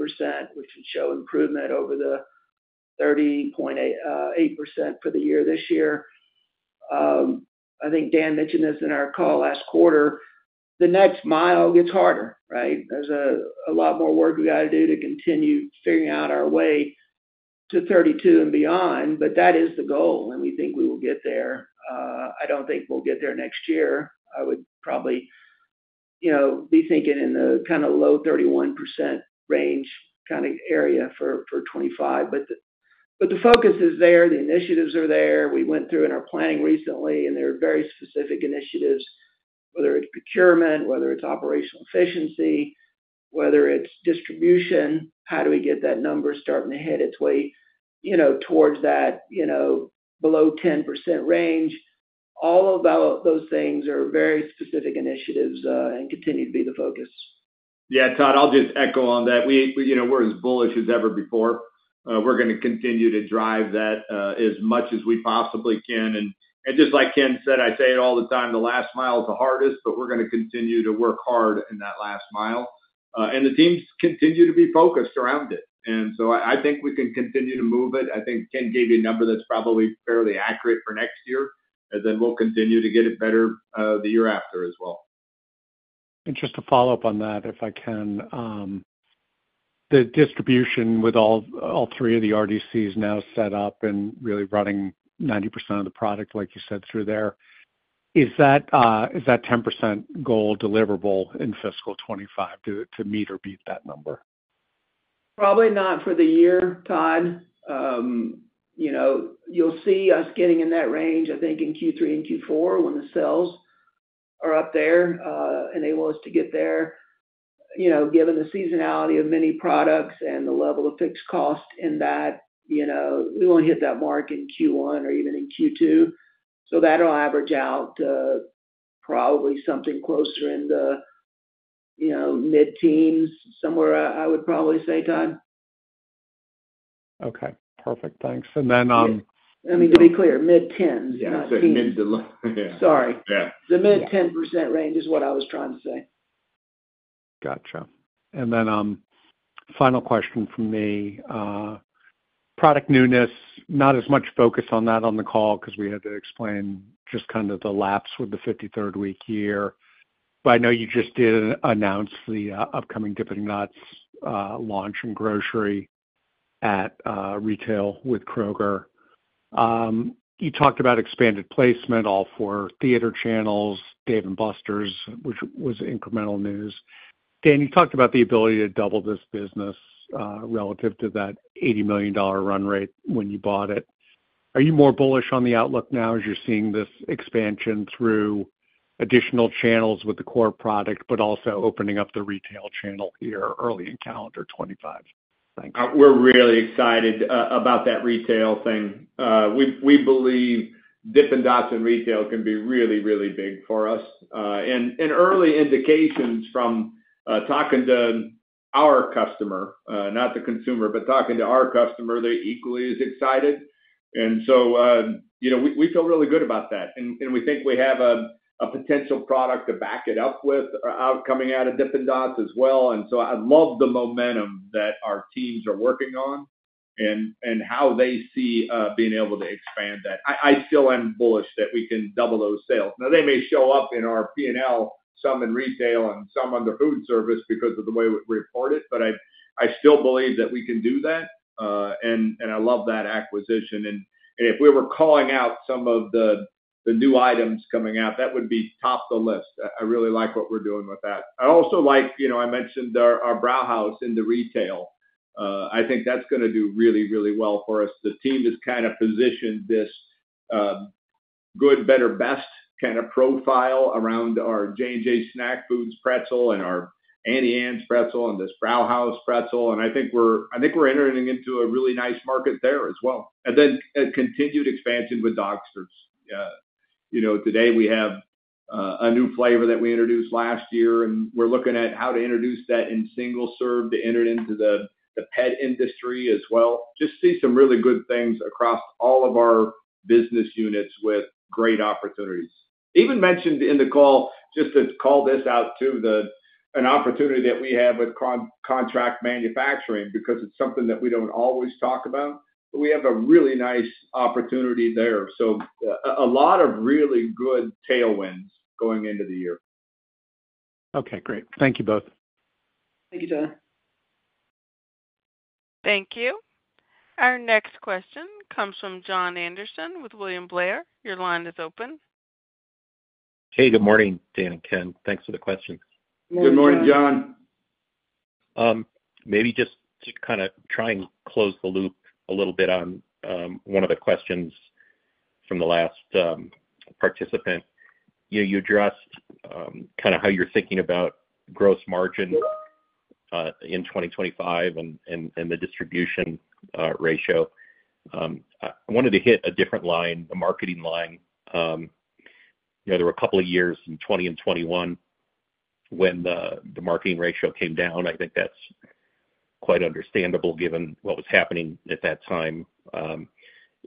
which would show improvement over the 30.8% for the year this year. I think Dan mentioned this in our call last quarter. The next mile gets harder, right? There's a lot more work we got to do to continue figuring out our way to 32% and beyond. But that is the goal. And we think we will get there. I don't think we'll get there next year. I would probably be thinking in the kind of low 31% range kind of area for 2025. But the focus is there. The initiatives are there. We went through in our planning recently, and there are very specific initiatives, whether it's procurement, whether it's operational efficiency, whether it's distribution, how do we get that number starting to hit its way towards that below 10% range? All of those things are very specific initiatives and continue to be the focus. Yeah. Todd, I'll just echo on that. We're as bullish as ever before. We're going to continue to drive that as much as we possibly can. And just like Ken said, I say it all the time, the last mile is the hardest, but we're going to continue to work hard in that last mile. And the teams continue to be focused around it. And so I think we can continue to move it. I think Ken gave you a number that's probably fairly accurate for next year. And then we'll continue to get it better the year after as well. And just to follow up on that, if I can, the distribution with all three of the RDCs now set up and really running 90% of the product, like you said, through there, is that 10% goal deliverable in fiscal 2025 to meet or beat that number? Probably not for the year, Todd. You'll see us getting in that range, I think, in Q3 and Q4 when the sales are up there and enable us to get there. Given the seasonality of many products and the level of fixed cost in that, we won't hit that mark in Q1 or even in Q2. So that'll average out to probably something closer in the mid-teens somewhere, I would probably say, Todd. Okay. Perfect. Thanks. And then. I mean, to be clear, mid-teens. Yeah. Mid-teens. Sorry. The mid-10% range is what I was trying to say. Gotcha. And then final question from me. Product newness, not as much focus on that on the call because we had to explain just kind of the lapping with the 53rd week year. But I know you just did announce the upcoming Dippin' Dots launch in grocery at retail with Kroger. You talked about expanded placement in all four theater chains, Dave & Buster's, which was incremental news. Dan, you talked about the ability to double this business relative to that $80 million run rate when you bought it. Are you more bullish on the outlook now as you're seeing this expansion through additional channels with the core product, but also opening up the retail channel here early in calendar 2025? Thanks. We're really excited about that retail thing. We believe Dippin' Dots in retail can be really, really big for us. And early indications from talking to our customer, not the consumer, but talking to our customer, they're equally as excited. And so we feel really good about that. And we think we have a potential product to back it up with coming out of Dippin' Dots as well. And so I love the momentum that our teams are working on and how they see being able to expand that. I still am bullish that we can double those sales. Now, they may show up in our P&L, some in retail and some under food service because of the way we report it. But I still believe that we can do that. And I love that acquisition. If we were calling out some of the new items coming out, that would be top of the list. I really like what we're doing with that. I also like I mentioned our Brauhaus in the retail. I think that's going to do really, really well for us. The team has kind of positioned this good, better, best kind of profile around our J&J Snack Foods pretzel and our Auntie Anne's pretzel and this Brauhaus pretzel. I think we're entering into a really nice market there as well. Then continued expansion with Dogsters. Today, we have a new flavor that we introduced last year. We're looking at how to introduce that in single serve to enter into the pet industry as well. Just see some really good things across all of our business units with great opportunities. Even mentioned in the call, just to call this out too, an opportunity that we have with contract manufacturing because it's something that we don't always talk about. But we have a really nice opportunity there. So a lot of really good tailwinds going into the year. Okay. Great. Thank you both. Thank you, Todd. Thank you. Our next question comes from John Anderson with William Blair. Your line is open. Hey. Good morning, Dan and Ken. Thanks for the question. Good morning, John. Maybe just to kind of try and close the loop a little bit on one of the questions from the last participant. You addressed kind of how you're thinking about gross margin in 2025 and the distribution ratio. I wanted to hit a different line, a marketing line. There were a couple of years in 2020 and 2021 when the marketing ratio came down. I think that's quite understandable given what was happening at that time.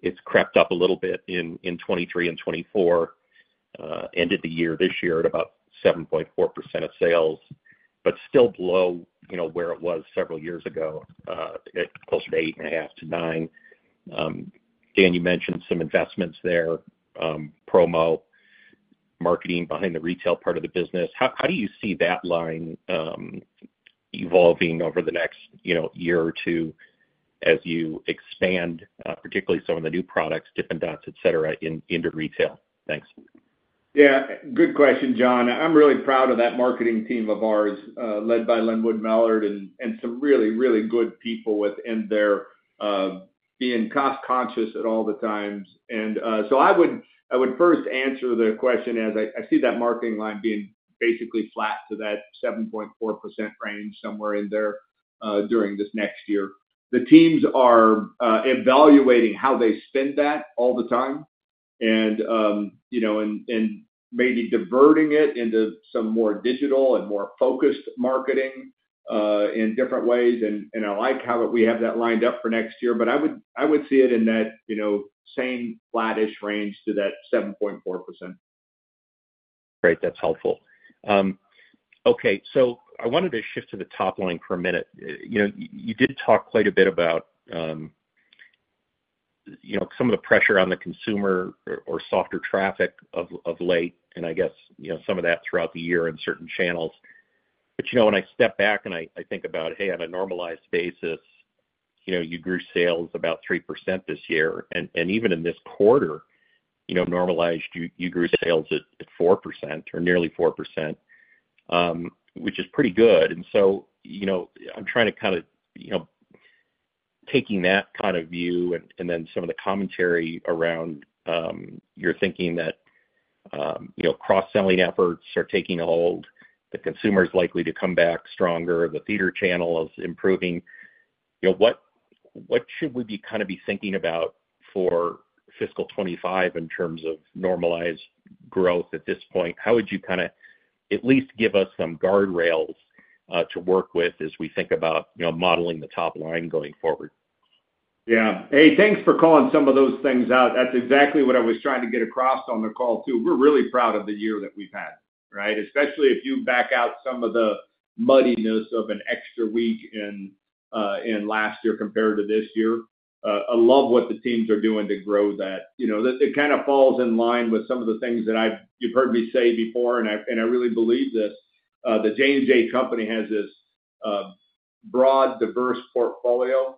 It's crept up a little bit in 2023 and 2024, ended the year this year at about 7.4% of sales, but still below where it was several years ago, closer to 8.5% to 9%. Dan, you mentioned some investments there, promo, marketing behind the retail part of the business. How do you see that line evolving over the next year or two as you expand, particularly some of the new products, Dippin' Dots, etc., into retail? Thanks. Yeah. Good question, John. I'm really proud of that marketing team of ours led by Lynwood Mallard and some really, really good people within there being cost-conscious at all the times. And so I would first answer the question as I see that marketing line being basically flat to that 7.4% range somewhere in there during this next year. The teams are evaluating how they spend that all the time and maybe diverting it into some more digital and more focused marketing in different ways. And I like how we have that lined up for next year. But I would see it in that same flattish range to that 7.4%. Great. That's helpful. Okay. So I wanted to shift to the top line for a minute. You did talk quite a bit about some of the pressure on the consumer or softer traffic of late, and I guess some of that throughout the year in certain channels. But when I step back and I think about, hey, on a normalized basis, you grew sales about 3% this year. And even in this quarter, normalized, you grew sales at 4% or nearly 4%, which is pretty good. And so I'm trying to kind of taking that kind of view and then some of the commentary around your thinking that cross-selling efforts are taking a hold, the consumer is likely to come back stronger, the theater channel is improving. What should we kind of be thinking about for fiscal 2025 in terms of normalized growth at this point? How would you kind of at least give us some guardrails to work with as we think about modeling the top line going forward? Yeah. Hey, thanks for calling some of those things out. That's exactly what I was trying to get across on the call too. We're really proud of the year that we've had, right? Especially if you back out some of the muddiness of an extra week in last year compared to this year. I love what the teams are doing to grow that. It kind of falls in line with some of the things that you've heard me say before, and I really believe this. The J&J company has this broad, diverse portfolio,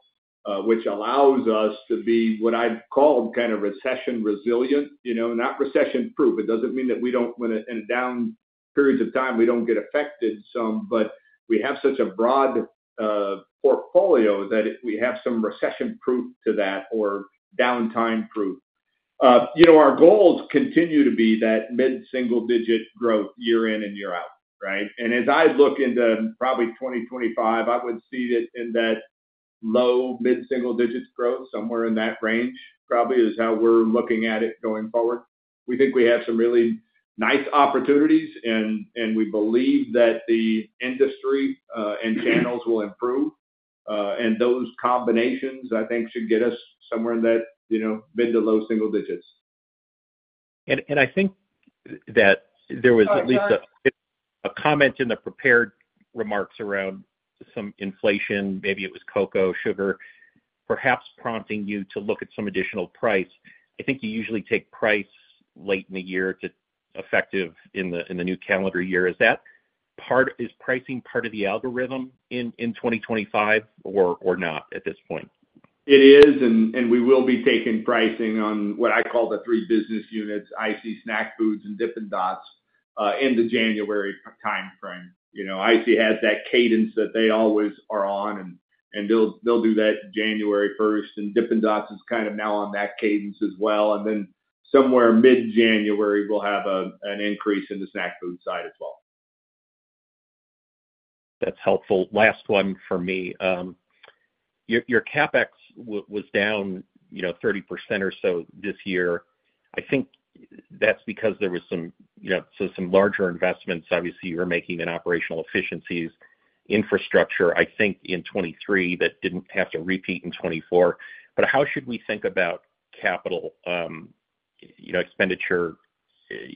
which allows us to be what I've called kind of recession resilient. Not recession proof. It doesn't mean that we don't, in down periods of time, we don't get affected some, but we have such a broad portfolio that we have some recession proof to that or downtime proof. Our goals continue to be that mid-single-digit growth year in and year out, right? And as I look into probably 2025, I would see it in that low mid-single-digit growth, somewhere in that range probably is how we're looking at it going forward. We think we have some really nice opportunities, and we believe that the industry and channels will improve. And those combinations, I think, should get us somewhere in that mid to low single digits. I think that there was at least a comment in the prepared remarks around some inflation. Maybe it was cocoa, sugar, perhaps prompting you to look at some additional price. I think you usually take price late in the year to effective in the new calendar year. Is pricing part of the algorithm in 2025 or not at this point? It is. And we will be taking pricing on what I call the three business units, ICEE, Snack Foods, and Dippin' Dots in the January timeframe. ICEE has that cadence that they always are on, and they'll do that January 1st. And Dippin' Dots is kind of now on that cadence as well. And then somewhere mid-January, we'll have an increase in the Snack Foods side as well. That's helpful. Last one for me. Your CapEx was down 30% or so this year. I think that's because there were some larger investments. Obviously, you're making operational efficiencies in infrastructure, I think, in 2023 that didn't have to repeat in 2024. But how should we think about capital expenditure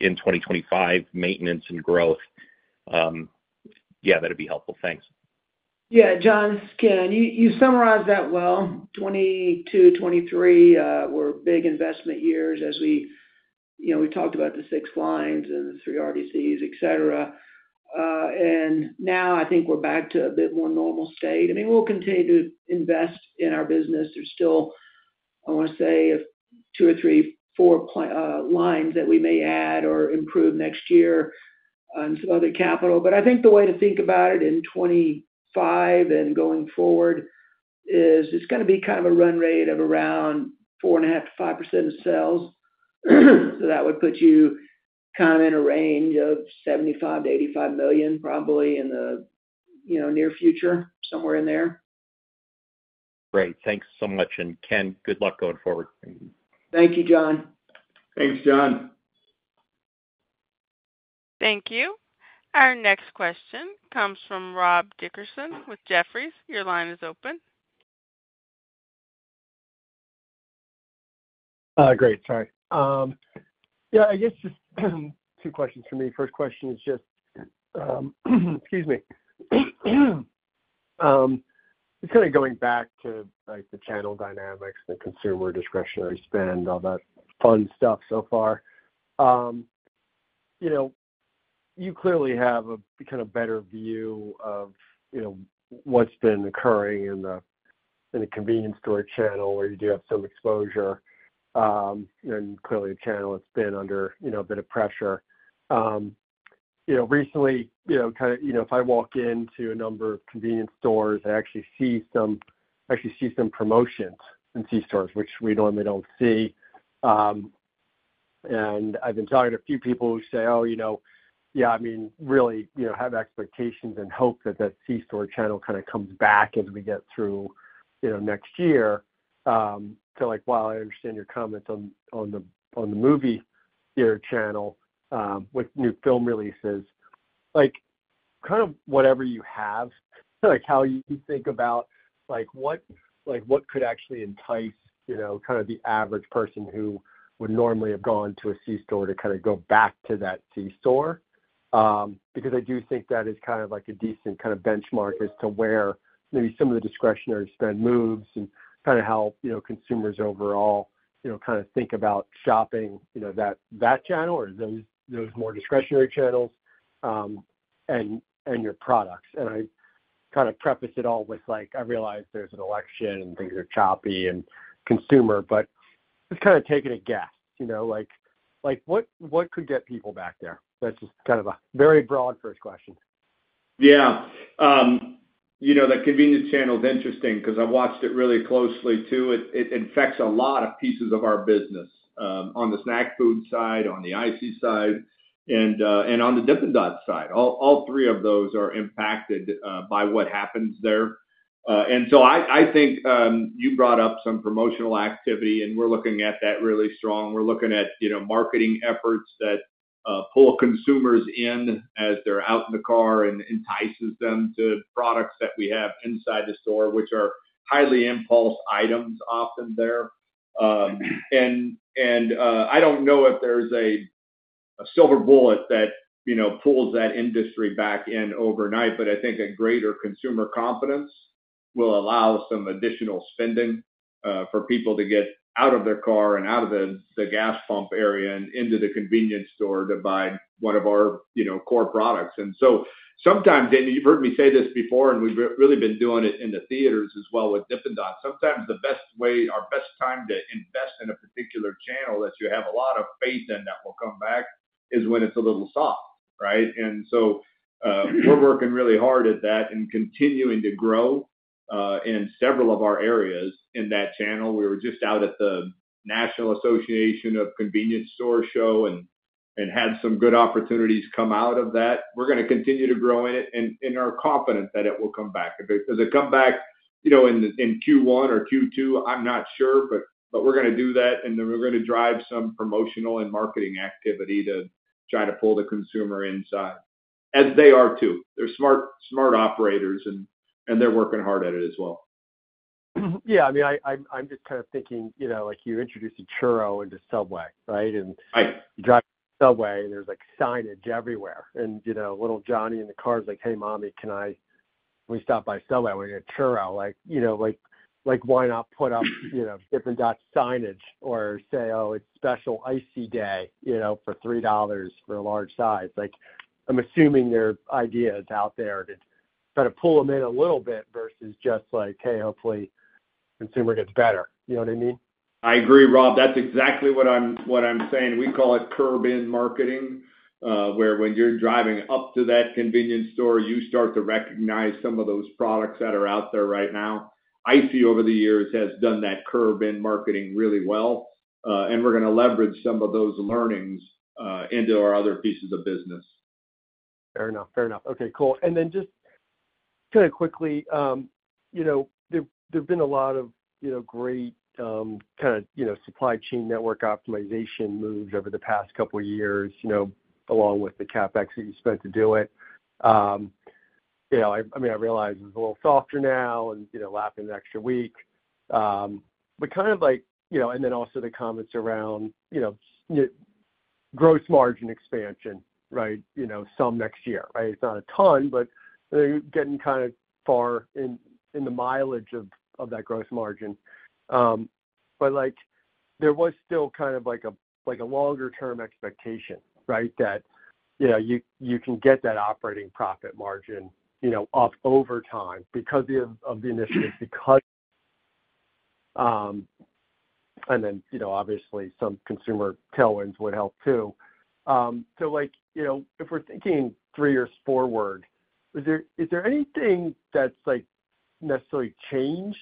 in 2025, maintenance and growth? Yeah, that'd be helpful. Thanks. Yeah. John, again, you summarized that well. 2022, 2023 were big investment years as we talked about the six lines and the three RDCs, etc. And now I think we're back to a bit more normal state. I mean, we'll continue to invest in our business. There's still, I want to say, two or three, four lines that we may add or improve next year and some other capital. But I think the way to think about it in 2025 and going forward is it's going to be kind of a run rate of around 4.5% to 5% of sales. So that would put you kind of in a range of $75 million to $85 million probably in the near future, somewhere in there. Great. Thanks so much. And Ken, good luck going forward. Thank you, John. Thanks, John. Thank you. Our next question comes from Rob Dickerson with Jefferies. Your line is open. Great. Sorry. Yeah. I guess just two questions for me. First question is just, excuse me, just kind of going back to the channel dynamics, the consumer discretionary spend, all that fun stuff so far. You clearly have a kind of better view of what's been occurring in the convenience store channel where you do have some exposure and clearly a channel that's been under a bit of pressure. Recently, kind of if I walk into a number of convenience stores, I actually see some promotions in C-stores, which we normally don't see. I've been talking to a few people who say, "Oh, yeah, I mean, really have expectations and hope that that C-store channel kind of comes back as we get through next year." So while I understand your comments on the movie theater channel with new film releases, kind of whatever you have, how you think about what could actually entice kind of the average person who would normally have gone to a C-store to kind of go back to that C-store? Because I do think that is kind of a decent kind of benchmark as to where maybe some of the discretionary spend moves and kind of how consumers overall kind of think about shopping that channel or those more discretionary channels and your products. I kind of preface it all with, "I realize there's an election and things are choppy and consumer, but just kind of take it as a guess. What could get people back there?" That's just kind of a very broad first question. Yeah. The convenience channel is interesting because I've watched it really closely too. It affects a lot of pieces of our business on the Snack Foods side, on the ICEE side, and on the Dippin' Dots side. All three of those are impacted by what happens there. And so I think you brought up some promotional activity, and we're looking at that really strong. We're looking at marketing efforts that pull consumers in as they're out in the car and entices them to products that we have inside the store, which are highly impulse items often there. And I don't know if there's a silver bullet that pulls that industry back in overnight, but I think a greater consumer confidence will allow some additional spending for people to get out of their car and out of the gas pump area and into the convenience store to buy one of our core products. And so sometimes, and you've heard me say this before, and we've really been doing it in the theaters as well with Dippin' Dots, sometimes the best way, our best time to invest in a particular channel that you have a lot of faith in that will come back is when it's a little soft, right? And so we're working really hard at that and continuing to grow in several of our areas in that channel. We were just out at the National Association of Convenience Stores Show and had some good opportunities come out of that. We're going to continue to grow in it and are confident that it will come back. Does it come back in Q1 or Q2? I'm not sure, but we're going to do that, and then we're going to drive some promotional and marketing activity to try to pull the consumer inside, as they are too. They're smart operators, and they're working hard at it as well. Yeah. I mean, I'm just kind of thinking you introduced a churro into Subway, right? And you drive to Subway, and there's signage everywhere. And little Johnny in the car is like, "Hey, mommy, can we stop by Subway? We're going to churro." Why not put up Dippin' Dots signage or say, "Oh, it's special ICEE day for $3 for a large size"? I'm assuming their idea is out there to kind of pull them in a little bit versus just like, "Hey, hopefully consumer gets better." You know what I mean? I agree, Rob. That's exactly what I'm saying. We call it curb-in marketing, where when you're driving up to that convenience store, you start to recognize some of those products that are out there right now. ICEE over the years has done that curb-in marketing really well. And we're going to leverage some of those learnings into our other pieces of business. Fair enough. Fair enough. Okay. Cool, and then just kind of quickly, there've been a lot of great kind of supply chain network optimization moves over the past couple of years along with the CapEx that you spent to do it. I mean, I realize it's a little softer now and lapping the extra week, but kind of like and then also the comments around gross margin expansion, right? Some next year, right? It's not a ton, but they're getting kind of far in the mileage of that gross margin, but there was still kind of a longer-term expectation, right, that you can get that operating profit margin up over time because of the initiative, and then obviously, some consumer tailwinds would help too, so if we're thinking three years forward, is there anything that's necessarily changed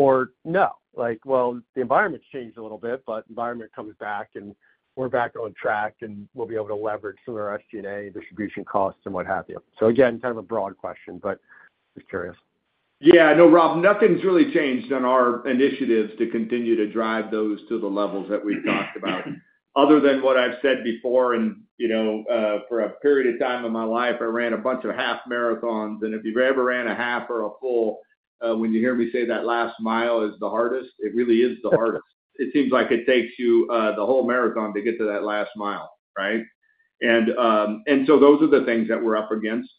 or no? The environment's changed a little bit, but the environment comes back, and we're back on track, and we'll be able to leverage some of our SG&A distribution costs and what have you. So again, kind of a broad question, but just curious. Yeah. No, Rob, nothing's really changed on our initiatives to continue to drive those to the levels that we've talked about. Other than what I've said before, and for a period of time in my life, I ran a bunch of half marathons. And if you've ever ran a half or a full, when you hear me say that last mile is the hardest, it really is the hardest. It seems like it takes you the whole marathon to get to that last mile, right? And so those are the things that we're up against.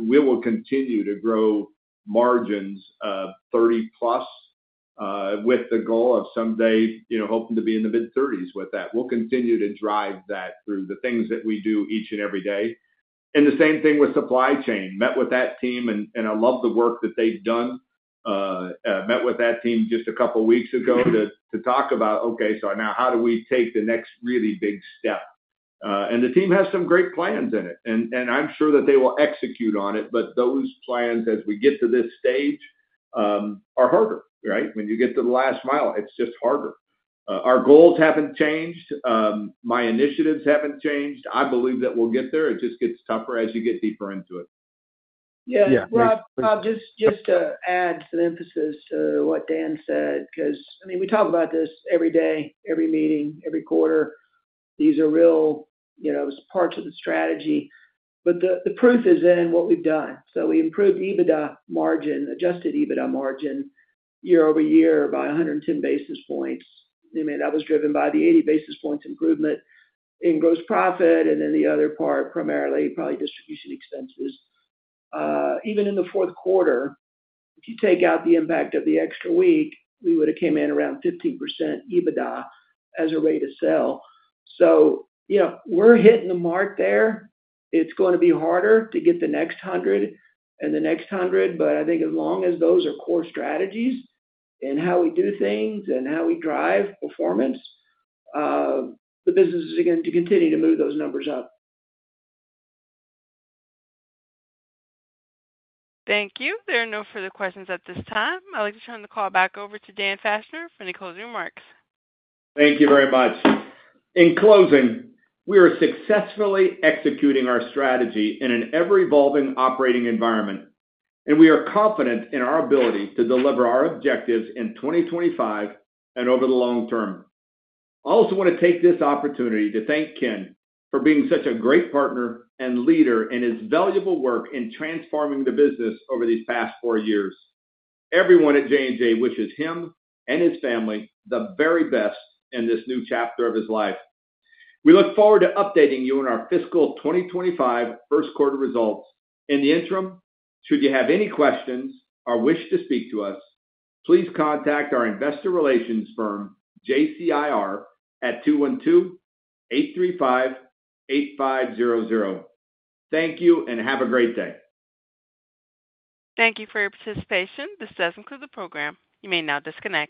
We will continue to grow margins of 30-plus with the goal of someday hoping to be in the mid-30s with that. We'll continue to drive that through the things that we do each and every day. And the same thing with supply chain. Met with that team, and I love the work that they've done. Met with that team just a couple of weeks ago to talk about, "Okay. So now how do we take the next really big step?" And the team has some great plans in it, and I'm sure that they will execute on it. But those plans, as we get to this stage, are harder, right? When you get to the last mile, it's just harder. Our goals haven't changed. My initiatives haven't changed. I believe that we'll get there. It just gets tougher as you get deeper into it. Yeah. Rob, just to add some emphasis to what Dan said because, I mean, we talk about this every day, every meeting, every quarter. These are real parts of the strategy. But the proof is in what we've done. So we improved EBITDA margin, adjusted EBITDA margin year over year by 110 basis points. I mean, that was driven by the 80 basis points improvement in gross profit. And then the other part, primarily probably distribution expenses. Even in the fourth quarter, if you take out the impact of the extra week, we would have came in around 15% EBITDA as a rate of sale. So we're hitting the mark there. It's going to be harder to get the next 100 and the next 100. But I think as long as those are core strategies and how we do things and how we drive performance, the business is going to continue to move those numbers up. Thank you. There are no further questions at this time. I'd like to turn the call back over to Daniel Fachner for any closing remarks. Thank you very much. In closing, we are successfully executing our strategy in an ever-evolving operating environment, and we are confident in our ability to deliver our objectives in 2025 and over the long term. I also want to take this opportunity to thank Ken for being such a great partner and leader in his valuable work in transforming the business over these past four years. Everyone at J&J wishes him and his family the very best in this new chapter of his life. We look forward to updating you on our fiscal 2025 first quarter results. In the interim, should you have any questions or wish to speak to us, please contact our investor relations firm, JCIR, at 212-835-8500. Thank you and have a great day. Thank you for your participation. This concludes the program. You may now disconnect.